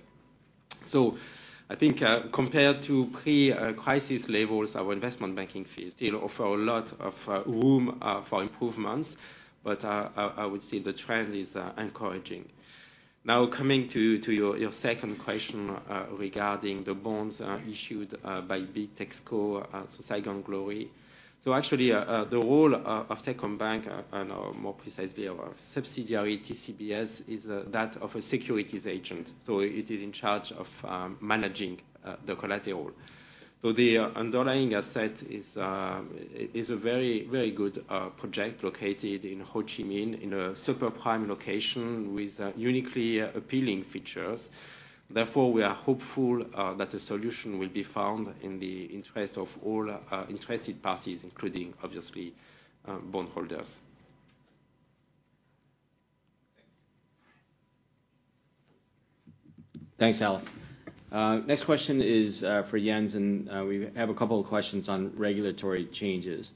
I think, compared to pre-crisis levels, our investment banking fees still offer a lot of room for improvements, but I would say the trend is encouraging. Now, coming to your second question, regarding the bonds issued by Bitexco, so Saigon Glory. Actually, the role of Techcombank, and or more precisely, of our subsidiary, TCBS, is that of a securities agent. It is in charge of managing the collateral. The underlying asset is a very, very good project located in Ho Chi Minh, in a super prime location with uniquely appealing features. Therefore, we are hopeful that a solution will be found in the interest of all interested parties, including, obviously, bondholders. Thanks, Alexandre. Next question is for Jens. We have a couple of questions on regulatory changes.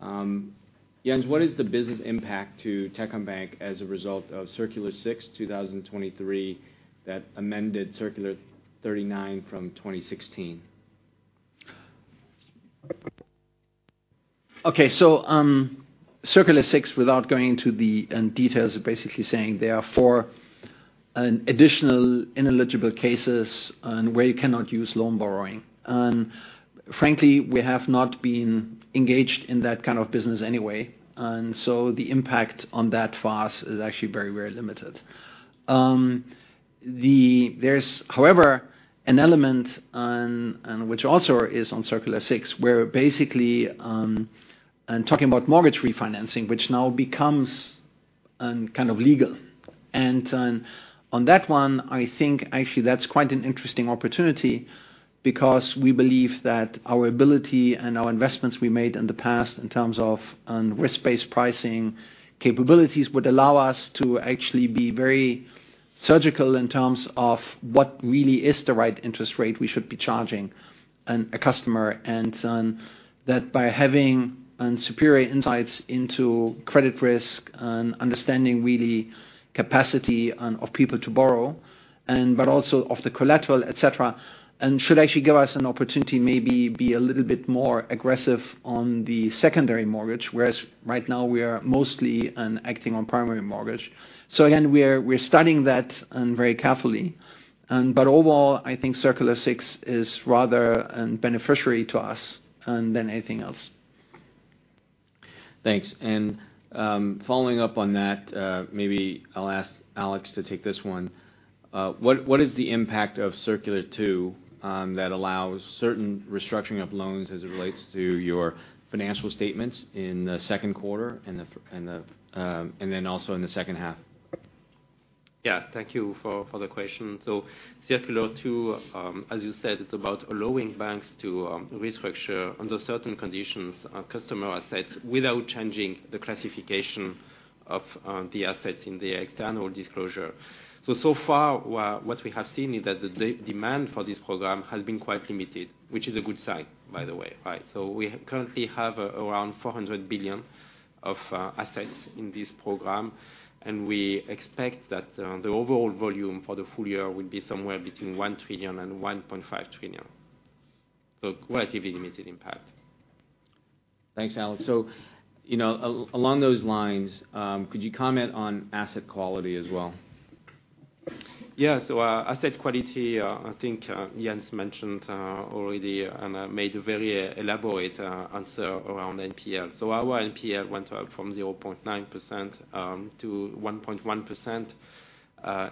Jens, what is the business impact to Techcombank as a result of Circular 06, 2023, that amended Circular 39 from 2016? Okay, so Circular 06, without going into the details, is basically saying there are four additional ineligible cases on where you cannot use loan borrowing. Frankly, we have not been engaged in that kind of business anyway, and so the impact on that for us is actually very, very limited. There's, however, an element and which also is on Circular 06, where basically, and talking about mortgage refinancing, which now becomes kind of legal. On that one, I think actually that's quite an interesting opportunity... because we believe that our ability and our investments we made in the past, in terms of risk-based pricing capabilities, would allow us to actually be very surgical in terms of what really is the right interest rate we should be charging and a customer. That by having superior insights into credit risk and understanding really capacity and of people to borrow, and but also of the collateral, et cetera, and should actually give us an opportunity maybe be a little bit more aggressive on the secondary mortgage, whereas right now we are mostly acting on primary mortgage. Again, we're studying that very carefully. Overall, I think Circular 06 is rather beneficiary to us than anything else. Thanks. Following up on that, maybe I'll ask Alexandre to take this one. What is the impact of Circular 02 that allows certain restructuring of loans as it relates to your financial statements in the Q2 and then also in the H2? Yeah, thank you for the question. Circular 02, as you said, it's about allowing banks to restructure under certain conditions, customer assets, without changing the classification of the assets in the external disclosure. So far, what we have seen is that the demand for this program has been quite limited, which is a good sign, by the way, right? We currently have around 400 billion of assets in this program, and we expect that the overall volume for the full year will be somewhere between 1 trillion and 1.5 trillion. Relatively limited impact. Thanks, Alex. You know, along those lines, could you comment on asset quality as well? Yeah. Asset quality, I think Jens mentioned already, and made a very elaborate answer around NPL. Our NPL went up from 0.9%-1.1%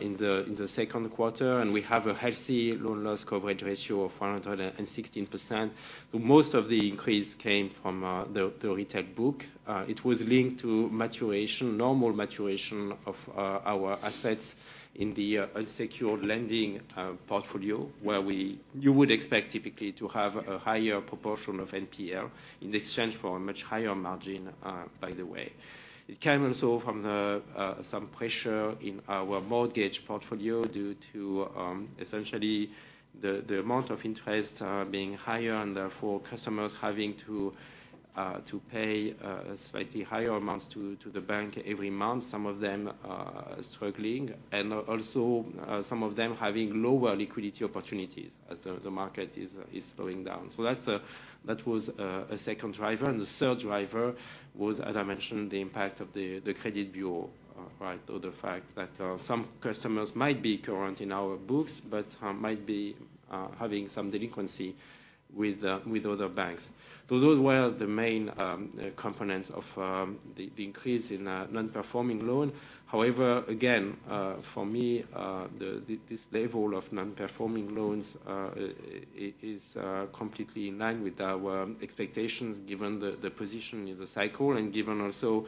in the Q2, and we have a healthy loan loss coverage ratio of 416%. Most of the increase came from the retail book. It was linked to maturation, normal maturation of our assets in the unsecured lending portfolio, where you would expect typically to have a higher proportion of NPL in exchange for a much higher margin, by the way. It came also from the some pressure in our mortgage portfolio due to essentially, the the amount of interest being higher, and therefore, customers having to to pay slightly higher amounts to to the bank every month. Some of them are struggling, and also, some of them having lower liquidity opportunities as the the market is slowing down. That's that was a second driver, and the third driver was, as I mentioned, the impact of the credit bureau, right? The fact that some customers might be current in our books, but might be having some delinquency with other banks. Those were the main components of the increase in non-performing loan. However, again, for me, the... this level of non-performing loans, it is completely in line with our expectations, given the position in the cycle and given also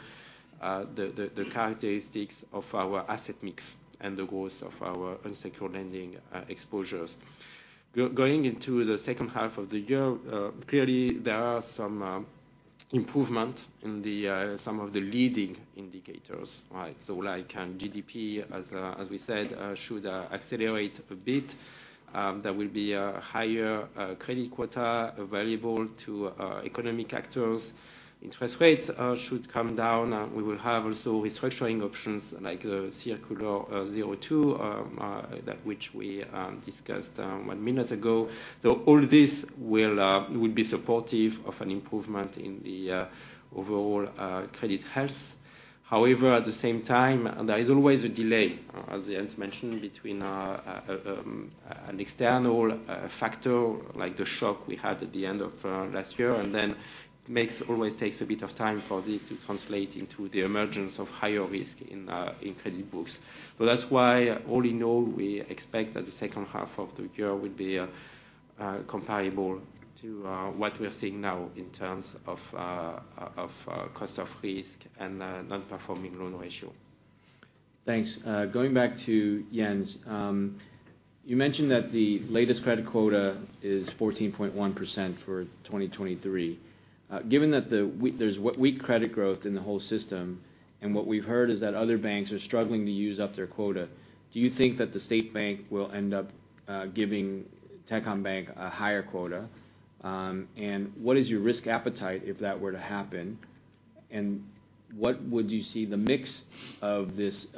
the characteristics of our asset mix and the growth of our unsecured lending exposures. Going into the H2 of the year, clearly there are some improvement in some of the leading indicators, right, like GDP, as we said, should accelerate a bit. There will be a higher credit quota available to economic actors. Interest rates should come down, and we will have also restructuring options like the Circular 02, that, which we discussed one minute ago. All this will be supportive of an improvement in the overall credit health. At the same time, there is always a delay, as Jens mentioned, between an external factor, like the shock we had at the end of last year, and then always takes a bit of time for this to translate into the emergence of higher risk in credit books. That's why, all in all, we expect that the H2 of the year will be comparable to what we are seeing now in terms of cost of risk and non-performing loan ratio. Thanks. Going back to Jens. You mentioned that the latest credit quota is 14.1% for 2023. Given that there's, what, weak credit growth in the whole system, and what we've heard is that other banks are struggling to use up their quota, do you think that the State Bank will end up giving Techcombank a higher quota? What is your risk appetite if that were to happen? What would you see the mix of this?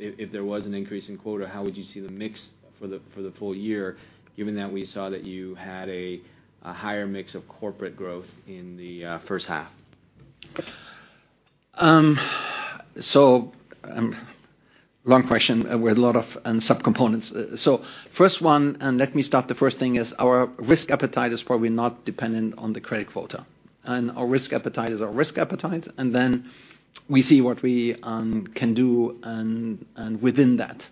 If there was an increase in quota, how would you see the mix for the full year, given that we saw that you had a higher mix of corporate growth in the H1? long question with a lot of subcomponents. First one, let me start the first thing, is our risk appetite is probably not dependent on the credit quota. Our risk appetite is our risk appetite. Then we see what we can do within that.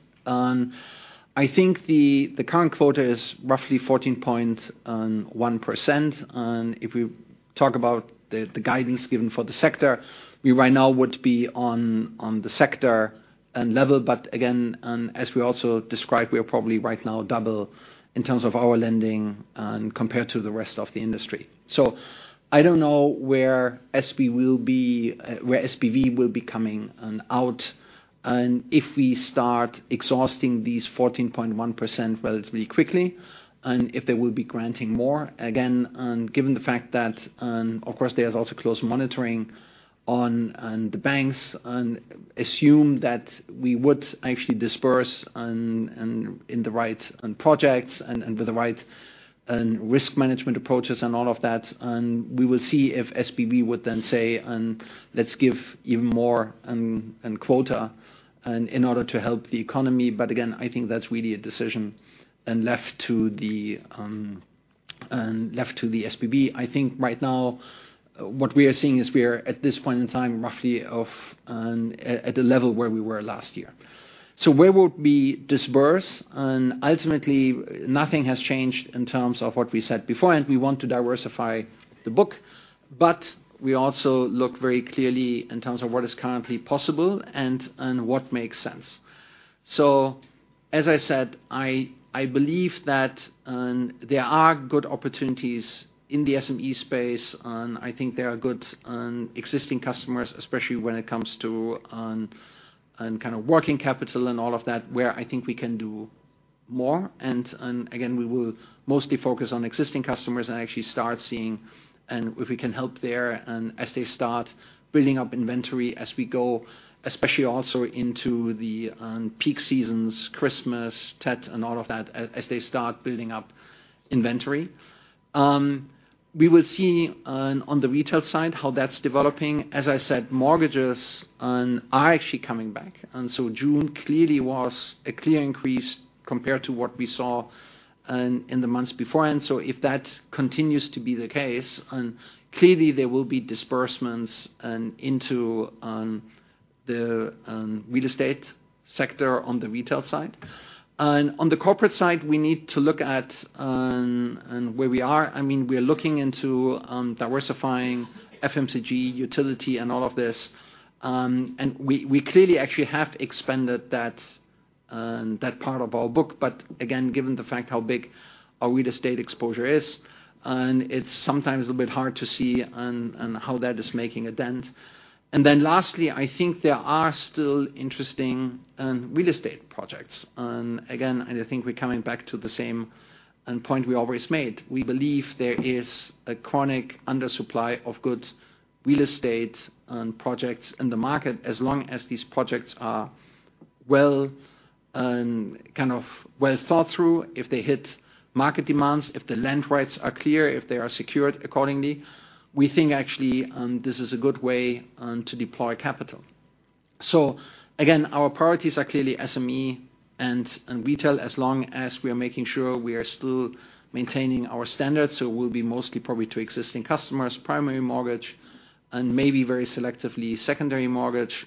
I think the current quota is roughly 14.1%. If we talk about the guidance given for the sector, we right now would be on the sector and level. Again, as we also described, we are probably right now double in terms of our lending compared to the rest of the industry. I don't know where SPV will be coming out. If we start exhausting these 14.1% relatively quickly, and if they will be granting more, again. Given the fact that, of course, there is also close monitoring on the banks, and assume that we would actually disperse in the right projects and with the right risk management approaches and all of that. We will see if SPV would then say, "Let's give even more quota in order to help the economy." Again, I think that's really a decision and left to the SPV. Right now, what we are seeing is we are, at this point in time, roughly of at the level where we were last year. Where will we disperse? Ultimately, nothing has changed in terms of what we said before, and we want to diversify the book. We also look very clearly in terms of what is currently possible and what makes sense. As I said, I believe that there are good opportunities in the SME space, and I think there are good existing customers, especially when it comes to kind of working capital and all of that, where I think we can do more. Again, we will mostly focus on existing customers and actually start seeing, and if we can help there, and as they start building up inventory, as we go, especially also into the peak seasons, Christmas, Tết, and all of that, as they start building up inventory. We will see on the retail side, how that's developing. As I said, mortgages are actually coming back, and so June clearly was a clear increase compared to what we saw in the months beforehand. If that continues to be the case, clearly there will be disbursements into the real estate sector on the retail side. On the corporate side, we need to look at, and where we are. I mean, we are looking into diversifying FMCG, utility, and all of this. We, we clearly actually have expanded that part of our book. Again, given the fact how big our real estate exposure is, and it's sometimes a bit hard to see how that is making a dent. Lastly, I think there are still interesting real estate projects. Again, and I think we're coming back to the same point we always made. We believe there is a chronic undersupply of good real estate projects in the market, as long as these projects are well, kind of well thought through, if they hit market demands, if the land rights are clear, if they are secured accordingly. We think actually, this is a good way to deploy capital. Again, our priorities are clearly SME and retail, as long as we are making sure we are still maintaining our standards. We'll be mostly probably to existing customers, primary mortgage, and maybe very selectively, secondary mortgage.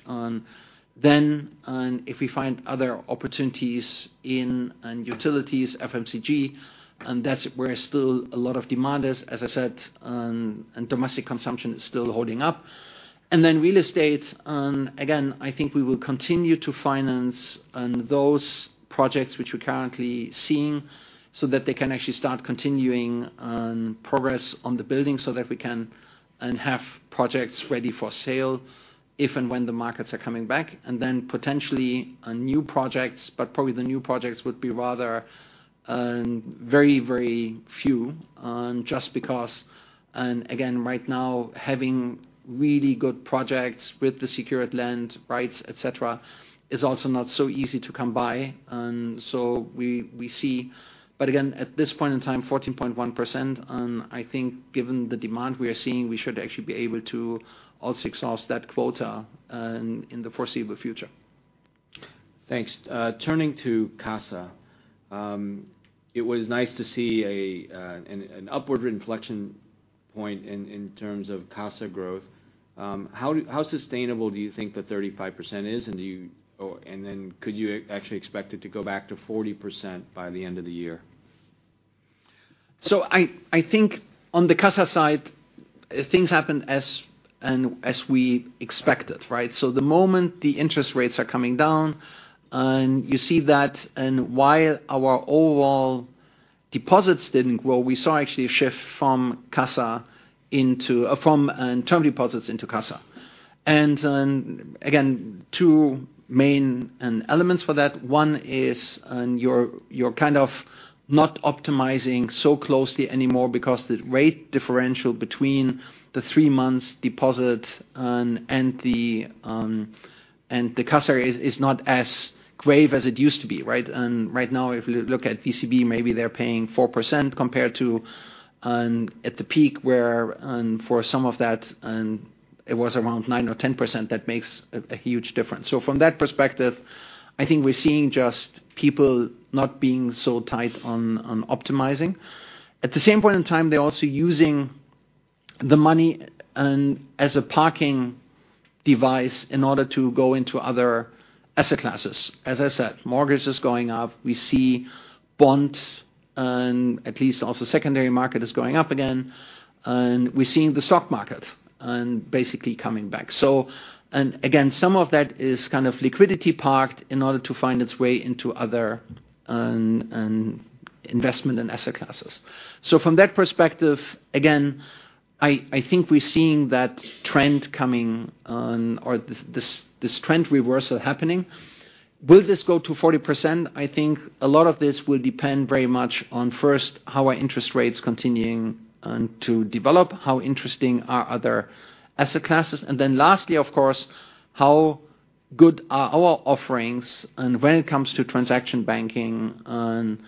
If we find other opportunities in utilities, FMCG, and that's where still a lot of demand is, as I said, and domestic consumption is still holding up. Real estate, again, I think we will continue to finance, those projects which we're currently seeing, so that they can actually start continuing, progress on the building, so that we can, have projects ready for sale if and when the markets are coming back. Potentially, new projects, but probably the new projects would be rather, very, very few, just because, again, right now, having really good projects with the secured land rights, et cetera, is also not so easy to come by. We see, but again, at this point in time, 14.1%, I think given the demand we are seeing, we should actually be able to also exhaust that quota, in the foreseeable future. Thanks. Turning to CASA, it was nice to see an upward inflection point in terms of CASA growth. How sustainable do you think the 35% is? Could you actually expect it to go back to 40% by the end of the year? I think on the CASA side, things happened as we expected, right? The moment the interest rates are coming down, and you see that, and while our overall deposits didn't grow, we saw actually a shift from term deposits into CASA. Again, two main elements for that. One is, you're kind of not optimizing so closely anymore because the rate differential between the three months deposit and the CASA is not as grave as it used to be, right? Right now, if you look at ECB, maybe they're paying 4% compared to at the peak, where for some of that, it was around 9% or 10%, that makes a huge difference. From that perspective, I think we're seeing just people not being so tight on optimizing. At the same point in time, they're also using the money as a parking device in order to go into other asset classes. As I said, mortgage is going up, we see bonds, and at least also secondary market is going up again, and we're seeing the stock market and basically coming back. Again, some of that is kind of liquidity parked in order to find its way into other investment and asset classes. From that perspective, again, I think we're seeing that trend coming on, or this trend reversal happening. Will this go to 40%? I think a lot of this will depend very much on, first, how are interest rates continuing to develop. How interesting are other asset classes? Lastly, of course, how good are our offerings and when it comes to transaction banking and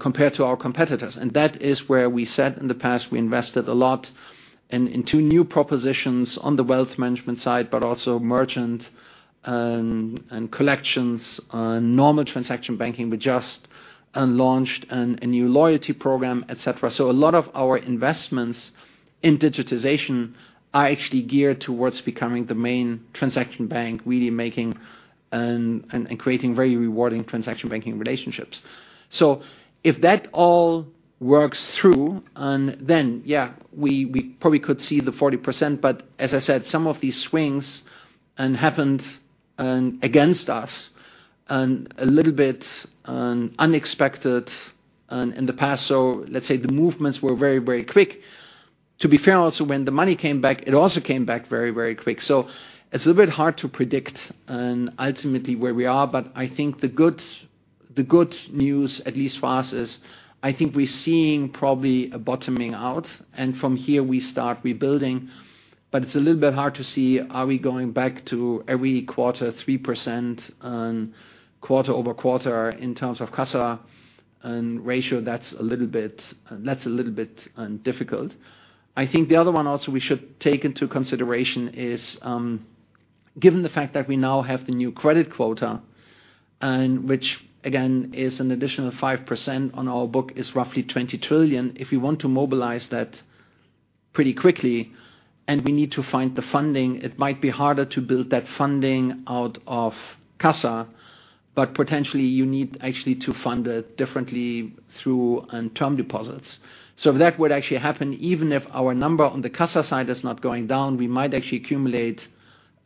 compared to our competitors? That is where we said in the past, we invested a lot in, into new propositions on the wealth management side, but also merchant, and collections. On normal transaction banking, we just launched a new loyalty program, et cetera. A lot of our investments in digitization are actually geared towards becoming the main transaction bank, really making, and creating very rewarding transaction banking relationships. If that all works through, yeah, we probably could see the 40%. As I said, some of these swings happened against us, and a little bit unexpected in the past. Let's say the movements were very, very quick. To be fair, also, when the money came back, it also came back very, very quick. It's a little bit hard to predict and ultimately where we are, but I think the good news, at least for us, is I think we're seeing probably a bottoming out, and from here we start rebuilding. It's a little bit hard to see, are we going back to every quarter, 3% on quarter-over-quarter in terms of CASA ratio? That's a little bit difficult. I think the other one also we should take into consideration is, given the fact that we now have the new credit quota, and which again, is an additional 5% on our book, is roughly 20 trillion. If we want to mobilize that pretty quickly and we need to find the funding, it might be harder to build that funding out of CASA, but potentially you need actually to fund it differently through term deposits. That would actually happen even if our number on the CASA side is not going down, we might actually accumulate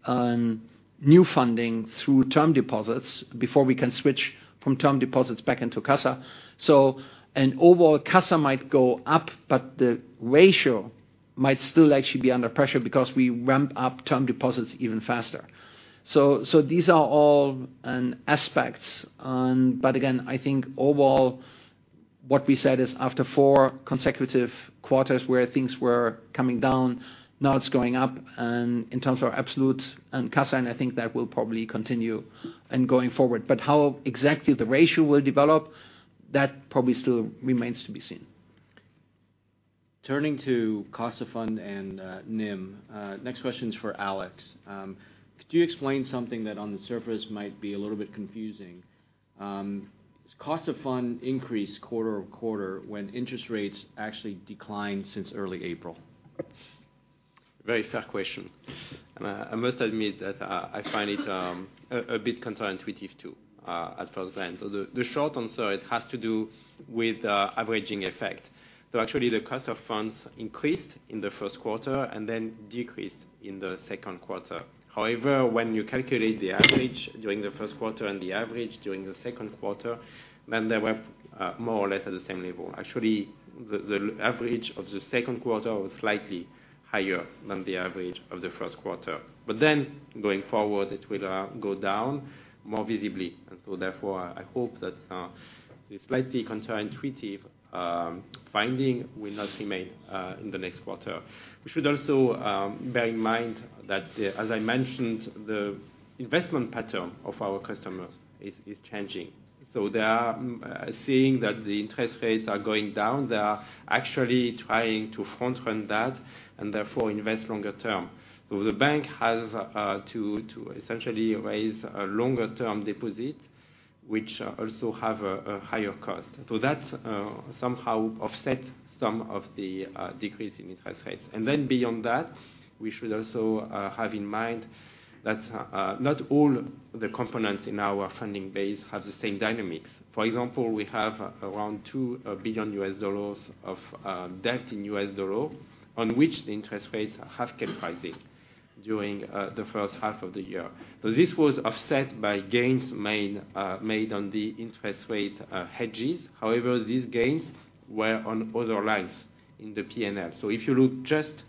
new funding through term deposits before we can switch from term deposits back into CASA. Overall CASA might go up, but the ratio might still actually be under pressure because we ramp up term deposits even faster. These are all aspects. Again, I think overall, what we said is after four consecutive quarters where things were coming down, now it's going up, in terms of our absolute and CASA, I think that will probably continue and going forward. How exactly the ratio will develop, that probably still remains to be seen. Turning to cost of fund and NIM. Next question is for Alexandre. Could you explain something that on the surface might be a little bit confusing? Does cost of fund increase quarter-over-quarter when interest rates actually decline since early April? Very fair question. I must admit that I find it a bit counterintuitive too at first glance. The short answer, it has to do with the averaging effect. Actually, the cost of funds increased in the Q1 and then decreased in the Q2. However, when you calculate the average during the Q1 and the average during the Q2, then they were more or less at the same level. Actually, the average of the Q2 was slightly higher than the average of the Q1. Going forward, it will go down more visibly. Therefore, I hope that the slightly counterintuitive finding will not remain in the next quarter. We should also bear in mind that, as I mentioned, the investment pattern of our customers is changing. They are seeing that the interest rates are going down. They are actually trying to front run that and therefore invest longer term. The bank has to essentially raise a longer-term deposit, which also have a higher cost. That somehow offset some of the decrease in interest rates. Beyond that, we should also have in mind that not all the components in our funding base have the same dynamics. For example, we have around $2 billion of debt in U.S. dollar, on which the interest rates have kept rising during the H1 of the year. This was offset by gains made on the interest rate hedges. These gains were on other lines in the PNL. If you look just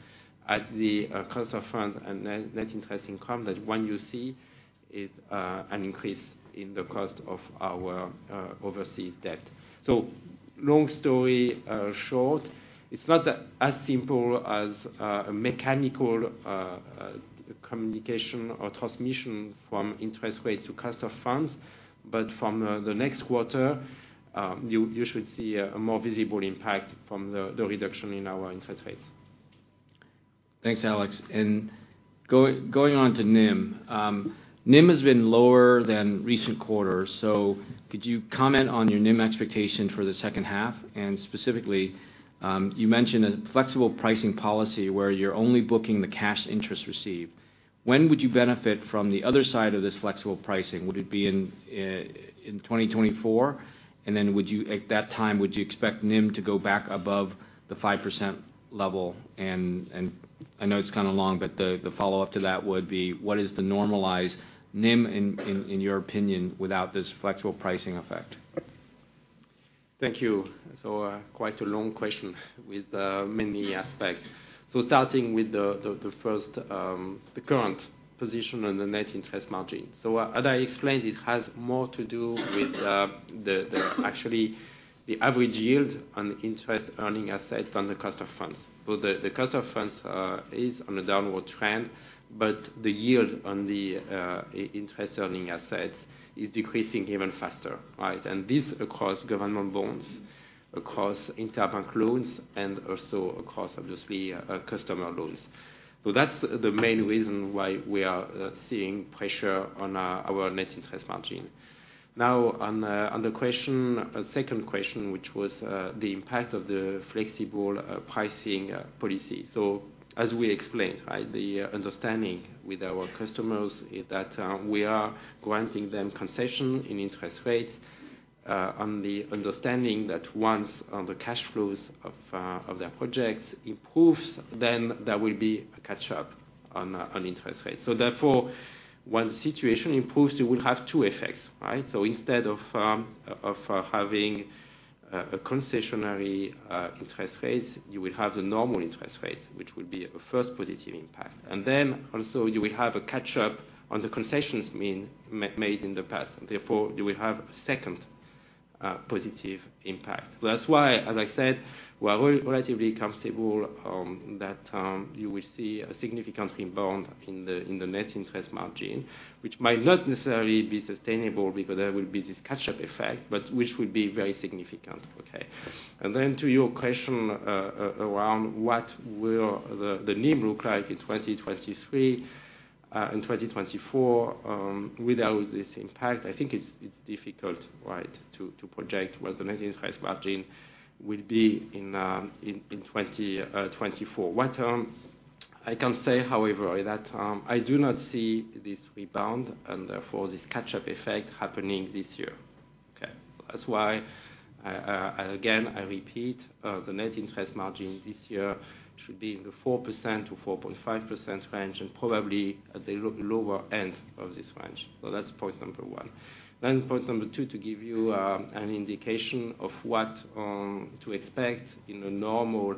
at the cost of funds and then net interest income, that one you see is an increase in the cost of our overseas debt. Long story short, it's not as simple as a mechanical communication or transmission from interest rate to cost of funds, but from the next quarter, you should see a more visible impact from the reduction in our interest rates. ... Thanks, Alexandre. Going on to NIM. NIM has been lower than recent quarters, could you comment on your NIM expectation for the H2? Specifically, you mentioned a flexible pricing policy where you're only booking the cash interest received. When would you benefit from the other side of this flexible pricing? Would it be in 2024? Then would you at that time, would you expect NIM to go back above the 5% level? I know it's kind of long, but the follow-up to that would be: What is the normalized NIM in your opinion, without this flexible pricing effect? Thank you. Quite a long question with many aspects. Starting with the first, the current position on the net interest margin. As I explained, it has more to do with the... Actually, the average yield on interest-earning assets than the cost of funds. The cost of funds is on a downward trend, but the yield on the interest-earning assets is decreasing even faster, right? This across government bonds, across interbank loans, and also across, obviously, customer loans. That's the main reason why we are seeing pressure on our net interest margin. On the question, second question, which was the impact of the flexible pricing policy. As we explained, right, the understanding with our customers is that we are granting them concession in interest rates on the understanding that once on the cash flows of their projects improves, then there will be a catch-up on interest rates. Therefore, once the situation improves, it will have two effects, right? Instead of having a concessionary interest rates, you will have the normal interest rates, which will be a first positive impact. Also you will have a catch-up on the concessions made in the past, and therefore you will have a second positive impact. That's why, as I said, we are relatively comfortable that you will see a significant rebound in the net interest margin, which might not necessarily be sustainable because there will be this catch-up effect, but which will be very significant. Okay. To your question around what will the NIM look like in 2023 and 2024, without this impact, I think it's difficult, right, to project what the net interest margin will be in 2024. What I can say, however, is that I do not see this rebound and therefore this catch-up effect happening this year. Okay. That's why, again, I repeat, the net interest margin this year should be in the 4%-4.5% range and probably at the lower end of this range. That's point number one. Point number two, to give you an indication of what to expect in a normal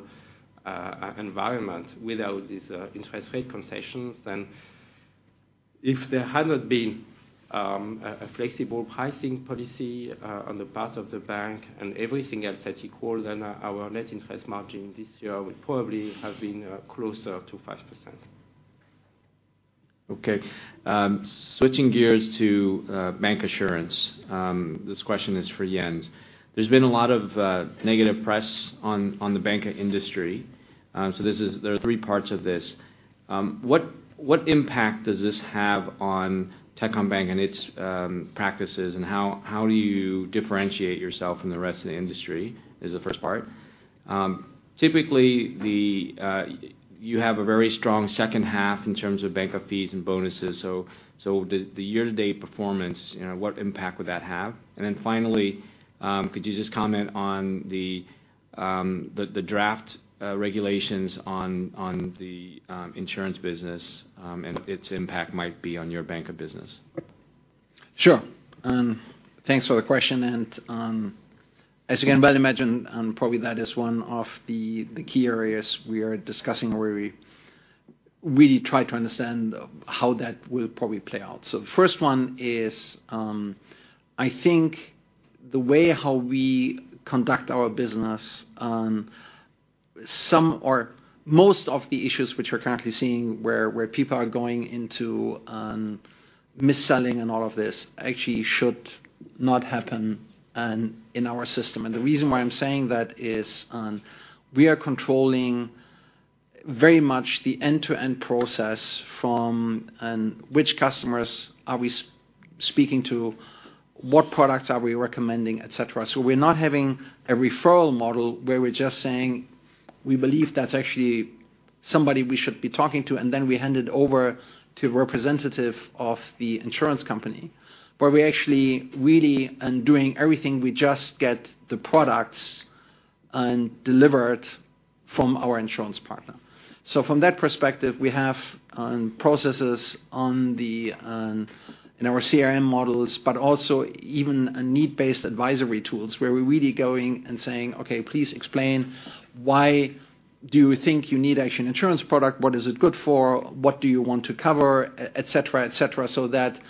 environment without this interest rate concessions, then if there had not been a flexible pricing policy on the part of the bank and everything else equal, then our net interest margin this year would probably have been closer to 5%. Switching gears to bancassurance. This question is for Jens. There's been a lot of negative press on the bancassurance industry. There are three parts of this. What impact does this have on Techcombank and its practices, and how do you differentiate yourself from the rest of the industry? Is the first part. Typically, you have a very strong H2 in terms of bancassurance fees and bonuses, so the year-to-date performance, you know, what impact would that have? Finally, could you just comment on the draft regulations on the insurance business, and its impact might be on your bancassurance business? Sure. Thanks for the question, and as you can well imagine, probably that is one of the key areas we are discussing, where we really try to understand how that will probably play out. The first one is, I think the way how we conduct our business, some or most of the issues which we're currently seeing, where people are going into, mis-selling and all of this, actually should not happen, in our system. The reason why I'm saying that is, we are controlling very much the end-to-end process from, which customers are we speaking to, what products are we recommending, et cetera. We're not having a referral model where we're just saying, "We believe that's actually somebody we should be talking to," and then we hand it over to a representative of the insurance company, where we actually really and doing everything, we just get the products delivered from our insurance partner. From that perspective, we have processes on the in our CRM models, but also even a need-based advisory tools where we're really going and saying, "Okay, please explain, why do you think you need actually an insurance product? What is it good for? What do you want to cover?" Et cetera, et cetera. That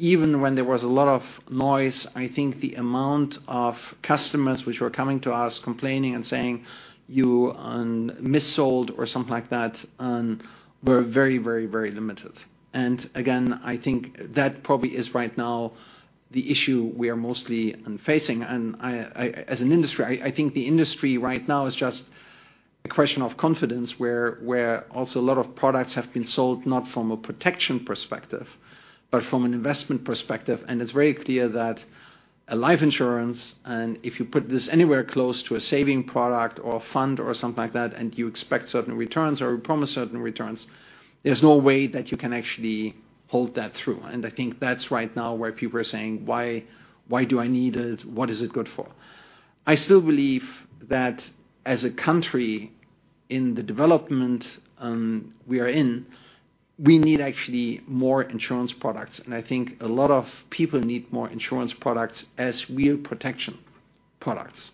even when there was a lot of noise, I think the amount of customers which were coming to us complaining and saying, "You mis-sold," or something like that were very limited. Again, I think that probably is right now the issue we are mostly facing. As an industry, I think the industry right now is just a question of confidence, where also a lot of products have been sold, not from a protection perspective, but from an investment perspective. It's very clear that a life insurance, and if you put this anywhere close to a saving product or fund or something like that, and you expect certain returns or promise certain returns, there's no way that you can actually hold that through. I think that's right now where people are saying: Why do I need it? What is it good for? I still believe that as a country in the development we are in, we need actually more insurance products. I think a lot of people need more insurance products as real protection products.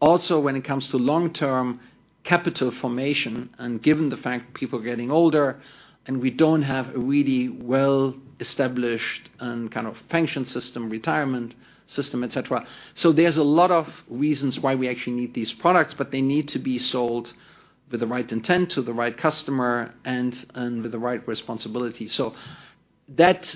Also, when it comes to long-term capital formation, and given the fact people are getting older, and we don't have a really well-established, kind of pension system, retirement system, et cetera. There's a lot of reasons why we actually need these products, but they need to be sold with the right intent, to the right customer and with the right responsibility. That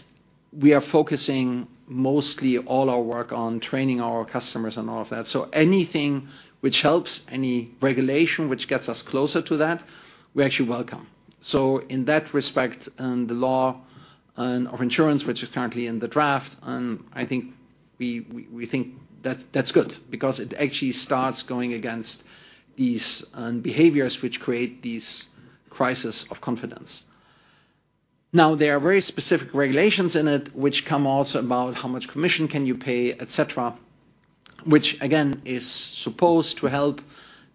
we are focusing mostly all our work on training our customers and all of that. Anything which helps, any regulation which gets us closer to that, we actually welcome. In that respect, and the law of insurance, which is currently in the draft, I think we think that that's good because it actually starts going against these behaviors which create these crisis of confidence. There are very specific regulations in it, which come also about how much commission can you pay, et cetera, which again, is supposed to help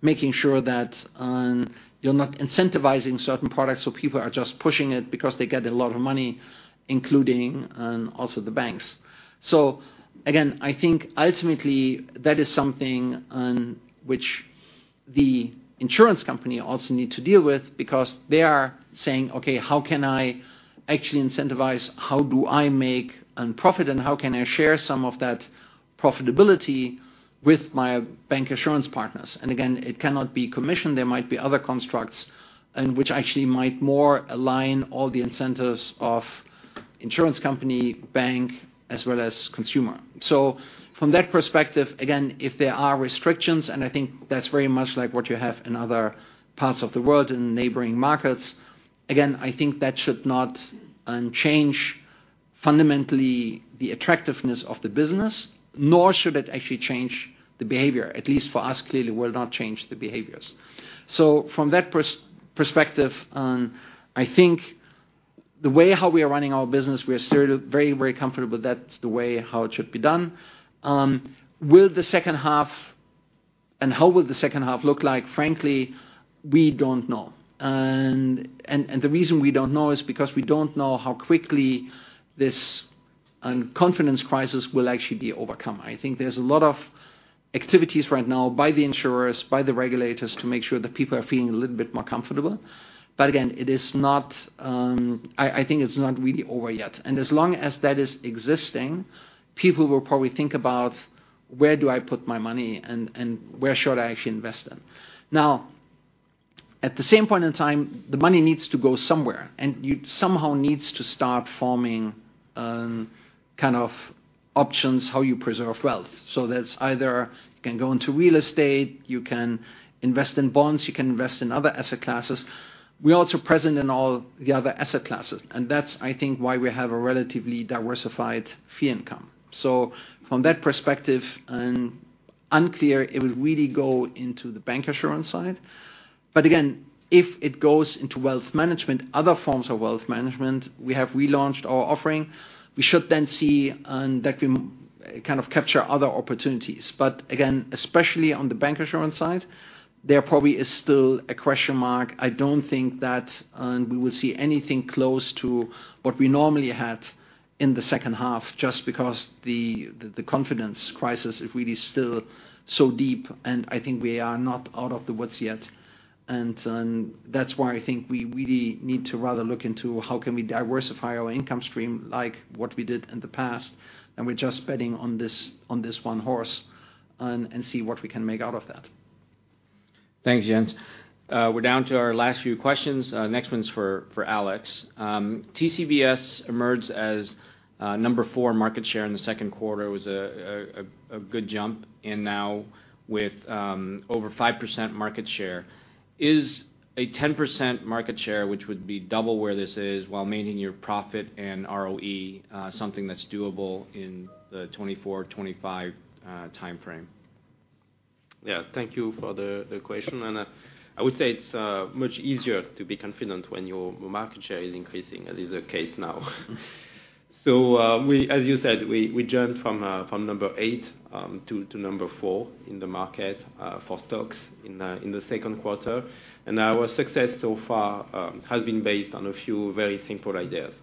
making sure that you're not incentivizing certain products, so people are just pushing it because they get a lot of money, including also the banks. Again, I think ultimately that is something which the insurance company also need to deal with because they are saying, "Okay, how can I actually incentivize? How do I make profit, and how can I share some of that profitability with my bank insurance partners?" Again, it cannot be commission. There might be other constructs, and which actually might more align all the incentives of insurance company, bank, as well as consumer. From that perspective, again, if there are restrictions, and I think that's very much like what you have in other parts of the world, in neighboring markets, again, I think that should not change fundamentally the attractiveness of the business, nor should it actually change the behavior. At least for us, clearly, will not change the behaviors. From that perspective, I think the way how we are running our business, we are still very, very comfortable that's the way how it should be done. Will the H2 and how will the H2 look like? Frankly, we don't know. The reason we don't know is because we don't know how quickly this confidence crisis will actually be overcome. I think there's a lot of activities right now by the insurers, by the regulators, to make sure that people are feeling a little bit more comfortable. Again, it is not. I think it's not really over yet. As long as that is existing, people will probably think about: Where do I put my money, and where should I actually invest in? At the same point in time, the money needs to go somewhere, and you somehow needs to start forming kind of options, how you preserve wealth. That's either you can go into real estate, you can invest in bonds, you can invest in other asset classes. We're also present in all the other asset classes. That's, I think, why we have a relatively diversified fee income. From that perspective, and unclear, it will really go into the bancassurance side. Again, if it goes into wealth management, other forms of wealth management, we have relaunched our offering. We should then see, that we kind of capture other opportunities. Again, especially on the bancassurance side, there probably is still a question mark. I don't think that, we will see anything close to what we normally had in the H2, just because the confidence crisis is really still so deep, and I think we are not out of the woods yet. That's why I think we really need to rather look into how can we diversify our income stream, like what we did in the past, and we're just betting on this one horse, and see what we can make out of that. Thanks, Jens. We're down to our last few questions. Next one's for Alexandre. TCBS emerged as number four market share in the Q2. It was a good jump, and now with over 5% market share. Is a 10% market share, which would be double where this is, while maintaining your profit and ROE, something that's doable in the 2024, 2025 timeframe? Yeah, thank you for the question, I would say it's much easier to be confident when your market share is increasing, and is the case now. As you said, we jumped from number eight to number four in the market for stocks in the Q2. Our success so far has been based on a few very simple ideas.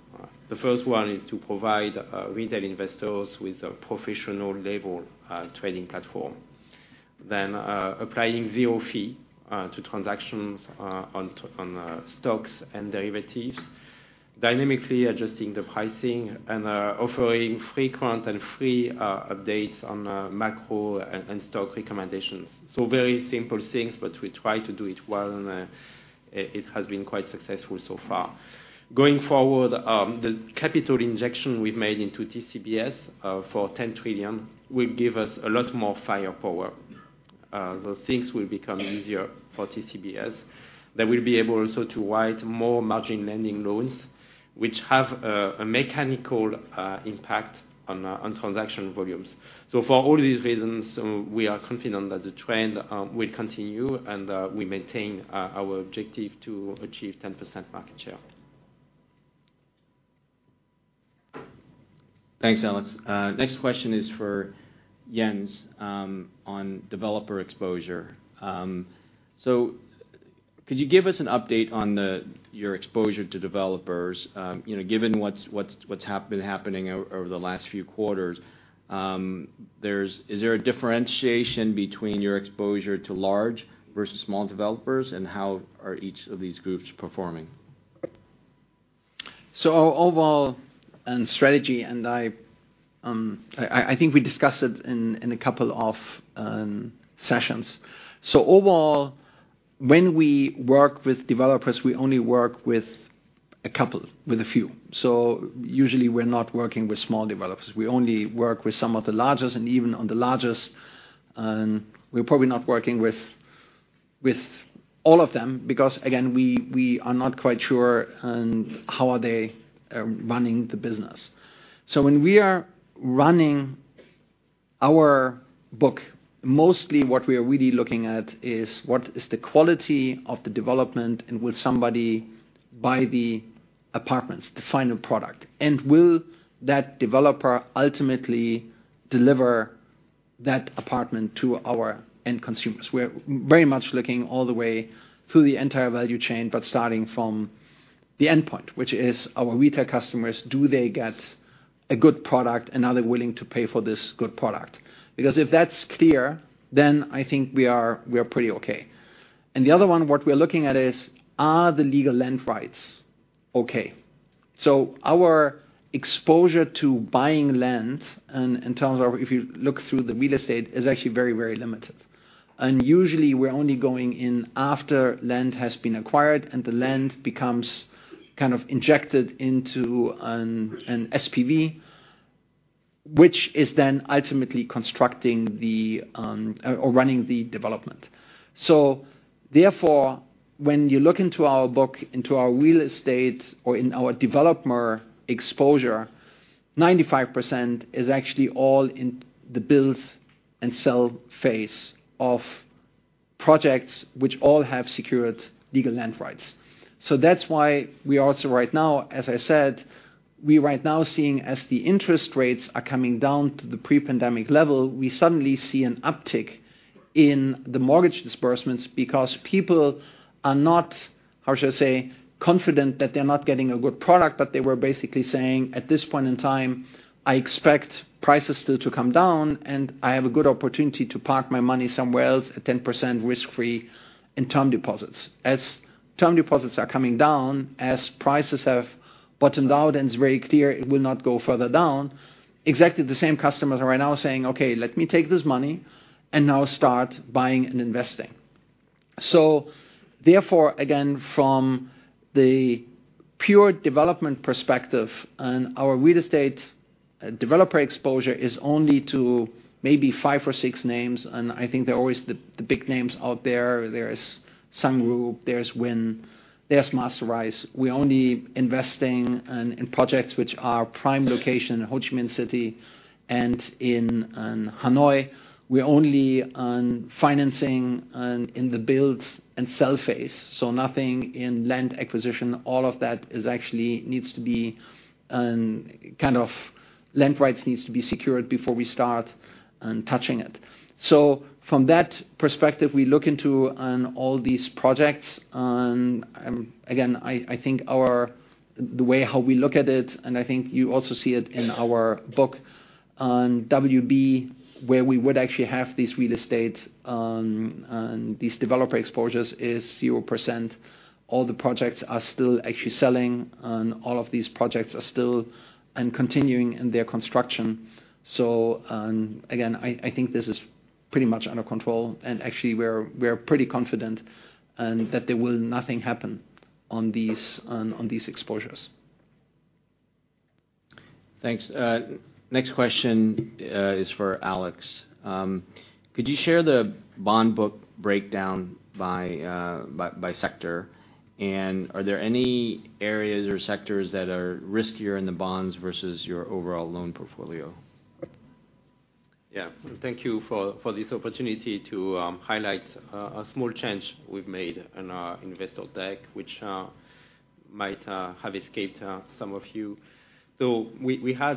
The first one is to provide retail investors with a professional level trading platform. Applying zero fee to transactions on stocks and derivatives.... dynamically adjusting the pricing, and offering frequent and free updates on macro and stock recommendations. Very simple things, but we try to do it well, and it has been quite successful so far. The capital injection we've made into TCBS for 10 trillion will give us a lot more firepower. The things will become easier for TCBS. They will be able also to write more margin lending loans, which have a mechanical impact on transaction volumes. For all these reasons, we are confident that the trend will continue, and we maintain our objective to achieve 10% market share. Thanks, Alexandre. Next question is for Jens on developer exposure. Could you give us an update on your exposure to developers? You know, given what's been happening over the last few quarters, is there a differentiation between your exposure to large versus small developers, and how are each of these groups performing? Overall and strategy, and I think we discussed it in a couple of sessions. Overall, when we work with developers, we only work with a couple, with a few. Usually we're not working with small developers. We only work with some of the largest, and even on the largest, and we're probably not working with all of them, because, again, we are not quite sure on how are they running the business. When we are running our book, mostly what we are really looking at is what is the quality of the development, and will somebody buy the apartments, the final product, and will that developer ultimately deliver that apartment to our end consumers? We're very much looking all the way through the entire value chain, but starting from the endpoint, which is our retail customers, do they get a good product, and are they willing to pay for this good product? Because if that's clear, then I think we are pretty okay. The other one, what we're looking at is, are the legal land rights okay? Our exposure to buying land and, in terms of if you look through the real estate, is actually very, very limited. Usually we're only going in after land has been acquired, and the land becomes kind of injected into an SPV, which is then ultimately constructing the or running the development. Therefore, when you look into our book, into our real estate or in our developer exposure, 95% is actually all in the build and sell phase of projects which all have secured legal land rights. That's why we are also right now, as I said, we right now seeing as the interest rates are coming down to the pre-pandemic level, we suddenly see an uptick in the mortgage disbursements because people are not, how should I say, confident that they're not getting a good product. They were basically saying, "At this point in time, I expect prices still to come down, and I have a good opportunity to park my money somewhere else at 10% risk-free in term deposits." As term deposits are coming down, as prices have bottomed out, and it's very clear it will not go further down, exactly the same customers are right now saying, "Okay, let me take this money and now start buying and investing." Therefore, again, from the pure development perspective and our real estate developer exposure is only to maybe five or six names, and I think they're always the big names out there. There's Sun Group, there's Vinhomes, there's Masterise Homes. We're only investing in projects which are prime location in Ho Chi Minh City and in Hanoi. We're only on financing and in the build and sell phase, so nothing in land acquisition. All of that is actually needs to be land rights needs to be secured before we start touching it. From that perspective, we look into on all these projects, and again, I think the way how we look at it, and I think you also see it in our book on WB, where we would actually have this real estate and these developer exposures is 0%. All the projects are still actually selling, and all of these projects are still and continuing in their construction. Again, I think this is pretty much under control. Actually, we're pretty confident that there will nothing happen on these exposures. Thanks. Next question is for Alexandre. Could you share the bond book breakdown by sector? Are there any areas or sectors that are riskier in the bonds versus your overall loan portfolio? Yeah. Thank you for this opportunity to highlight a small change we've made in our investor deck, which might have escaped some of you. We had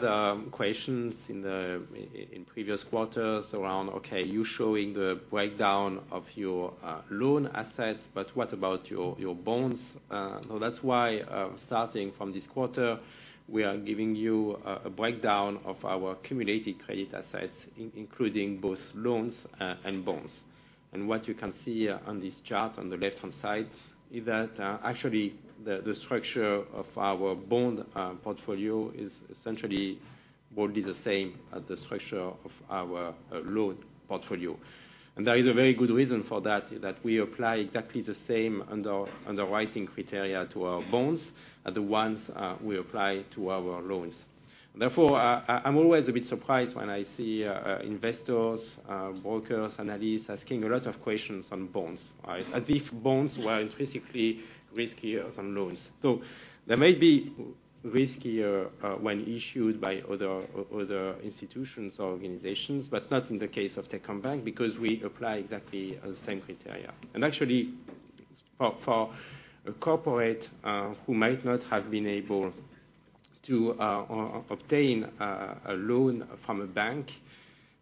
questions in previous quarters around, okay, you showing the breakdown of your loan assets, but what about your bonds? That's why starting from this quarter, we are giving you a breakdown of our cumulative credit assets, including both loans and bonds. What you can see on this chart on the left-hand side, is that actually the structure of our bond portfolio is essentially broadly the same as the structure of our loan portfolio. There is a very good reason for that, is that we apply exactly the same underwriting criteria to our bonds as the ones we apply to our loans. Therefore, I'm always a bit surprised when I see investors, brokers, analysts, asking a lot of questions on bonds. All right? As if bonds were intrinsically riskier than loans. They may be riskier when issued by other institutions or organizations, but not in the case of Techcombank, because we apply exactly the same criteria. Actually, for a corporate, who might not have been able to obtain a loan from a bank,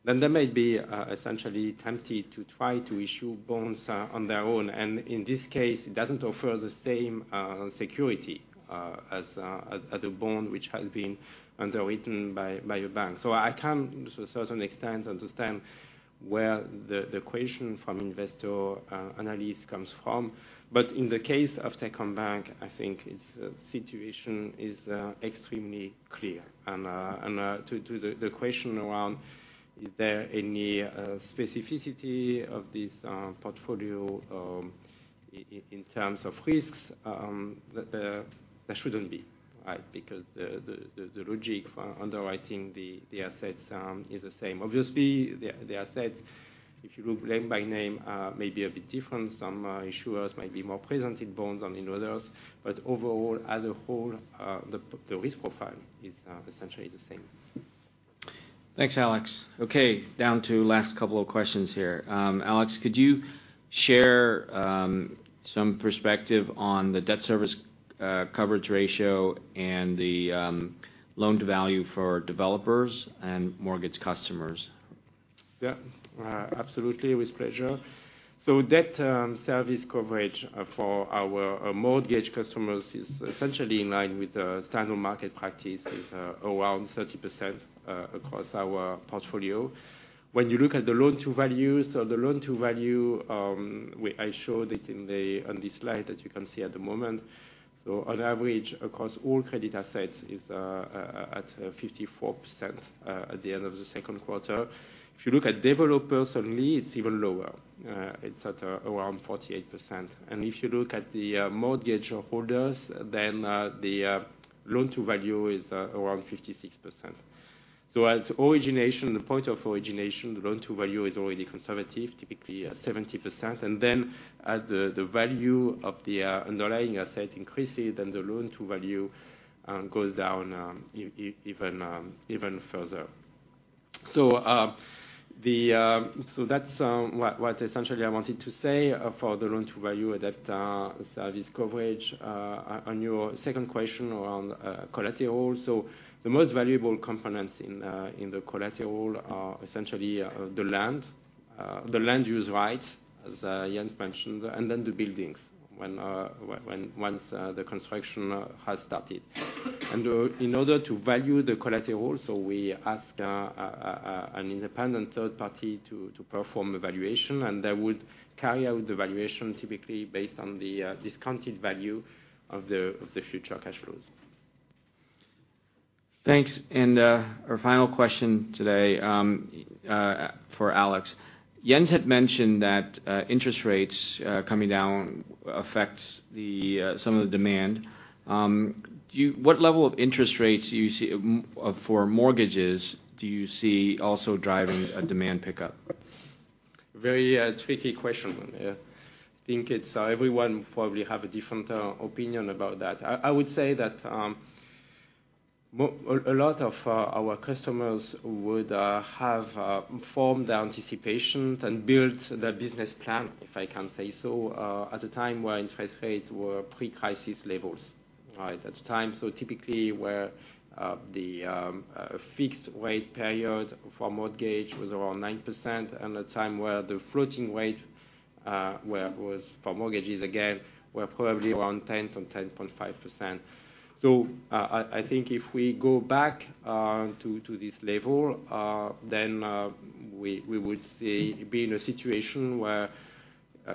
then they might be essentially tempted to try to issue bonds on their own, and in this case, it doesn't offer the same security as a bond which has been underwritten by a bank. I can, to a certain extent, understand where the question from investor analyst comes from, but in the case of Techcombank, I think its situation is extremely clear. To the question around, is there any specificity of this portfolio in terms of risks, there shouldn't be, right? Because the logic for underwriting the assets is the same. Obviously, the assets, if you look lend by name, may be a bit different. Some issuers might be more present in bonds than in others. Overall, as a whole, the risk profile is essentially the same. Thanks, Alexandre. Okay, down to last couple of questions here. Alexandre, could you share some perspective on the debt service coverage ratio and the loan-to-value for developers and mortgage customers? Yeah. Absolutely, with pleasure. Debt service coverage for our mortgage customers is essentially in line with the standard market practice, is around 30% across our portfolio. When you look at the loan-to-values, so the loan-to-value, I showed it in the, on this slide that you can see at the moment. On average, across all credit assets is at 54% at the end of the Q2. If you look at developers only, it's even lower. It's at around 48%. If you look at the mortgage holders, then the loan-to-value is around 56%. At origination, the point of origination, the loan-to-value is already conservative, typically at 70%, and then as the value of the underlying asset increases, then the loan-to-value goes down even further. That's what essentially I wanted to say for the loan-to-value, that service coverage. On your second question around collateral. The most valuable components in the collateral are essentially the land, the land use right, as Jens mentioned, and then the buildings when once the construction has started. In order to value the collateral, we ask an independent third party to perform evaluation, and they would carry out the valuation, typically based on the discounted value of the future cash flows. Thanks. Our final question today for Alexandre. Jens had mentioned that interest rates coming down affects the some of the demand. What level of interest rates do you see for mortgages, do you see also driving a demand pickup? Very tricky question. I think it's everyone probably have a different opinion about that. I would say that a lot of our customers would have formed their anticipation and built their business plan, if I can say so, at a time where interest rates were pre-crisis levels. Right? At the time, typically where the fixed rate period for mortgage was around 9%, and the time where the floating rate where was for mortgages again, were probably around 10%, 10.5%. I think if we go back to this level, then we would see... Be in a situation where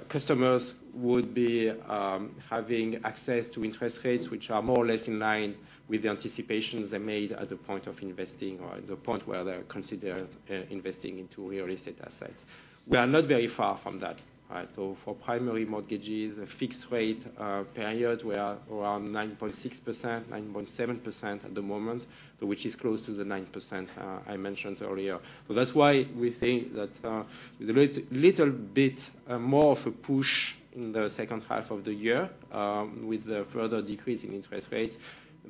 customers would be having access to interest rates, which are more or less in line with the anticipations they made at the point of investing or the point where they're considering investing into real estate assets. We are not very far from that. All right? For primary mortgages, the fixed rate period, we are around 9.6%, 9.7% at the moment, so which is close to the 9% I mentioned earlier. That's why we think that with a little bit more of a push in the H2 of the year, with the further decrease in interest rates,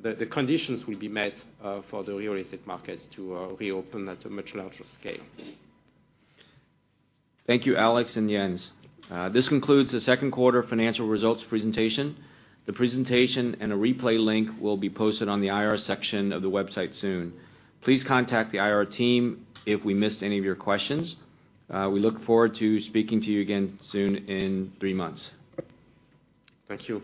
that the conditions will be met for the real estate market to reopen at a much larger scale. Thank you, Alexandre and Jens. This concludes the Q2 financial results presentation. The presentation and a replay link will be posted on the IR section of the website soon. Please contact the IR team if we missed any of your questions. We look forward to speaking to you again soon in three months. Thank you.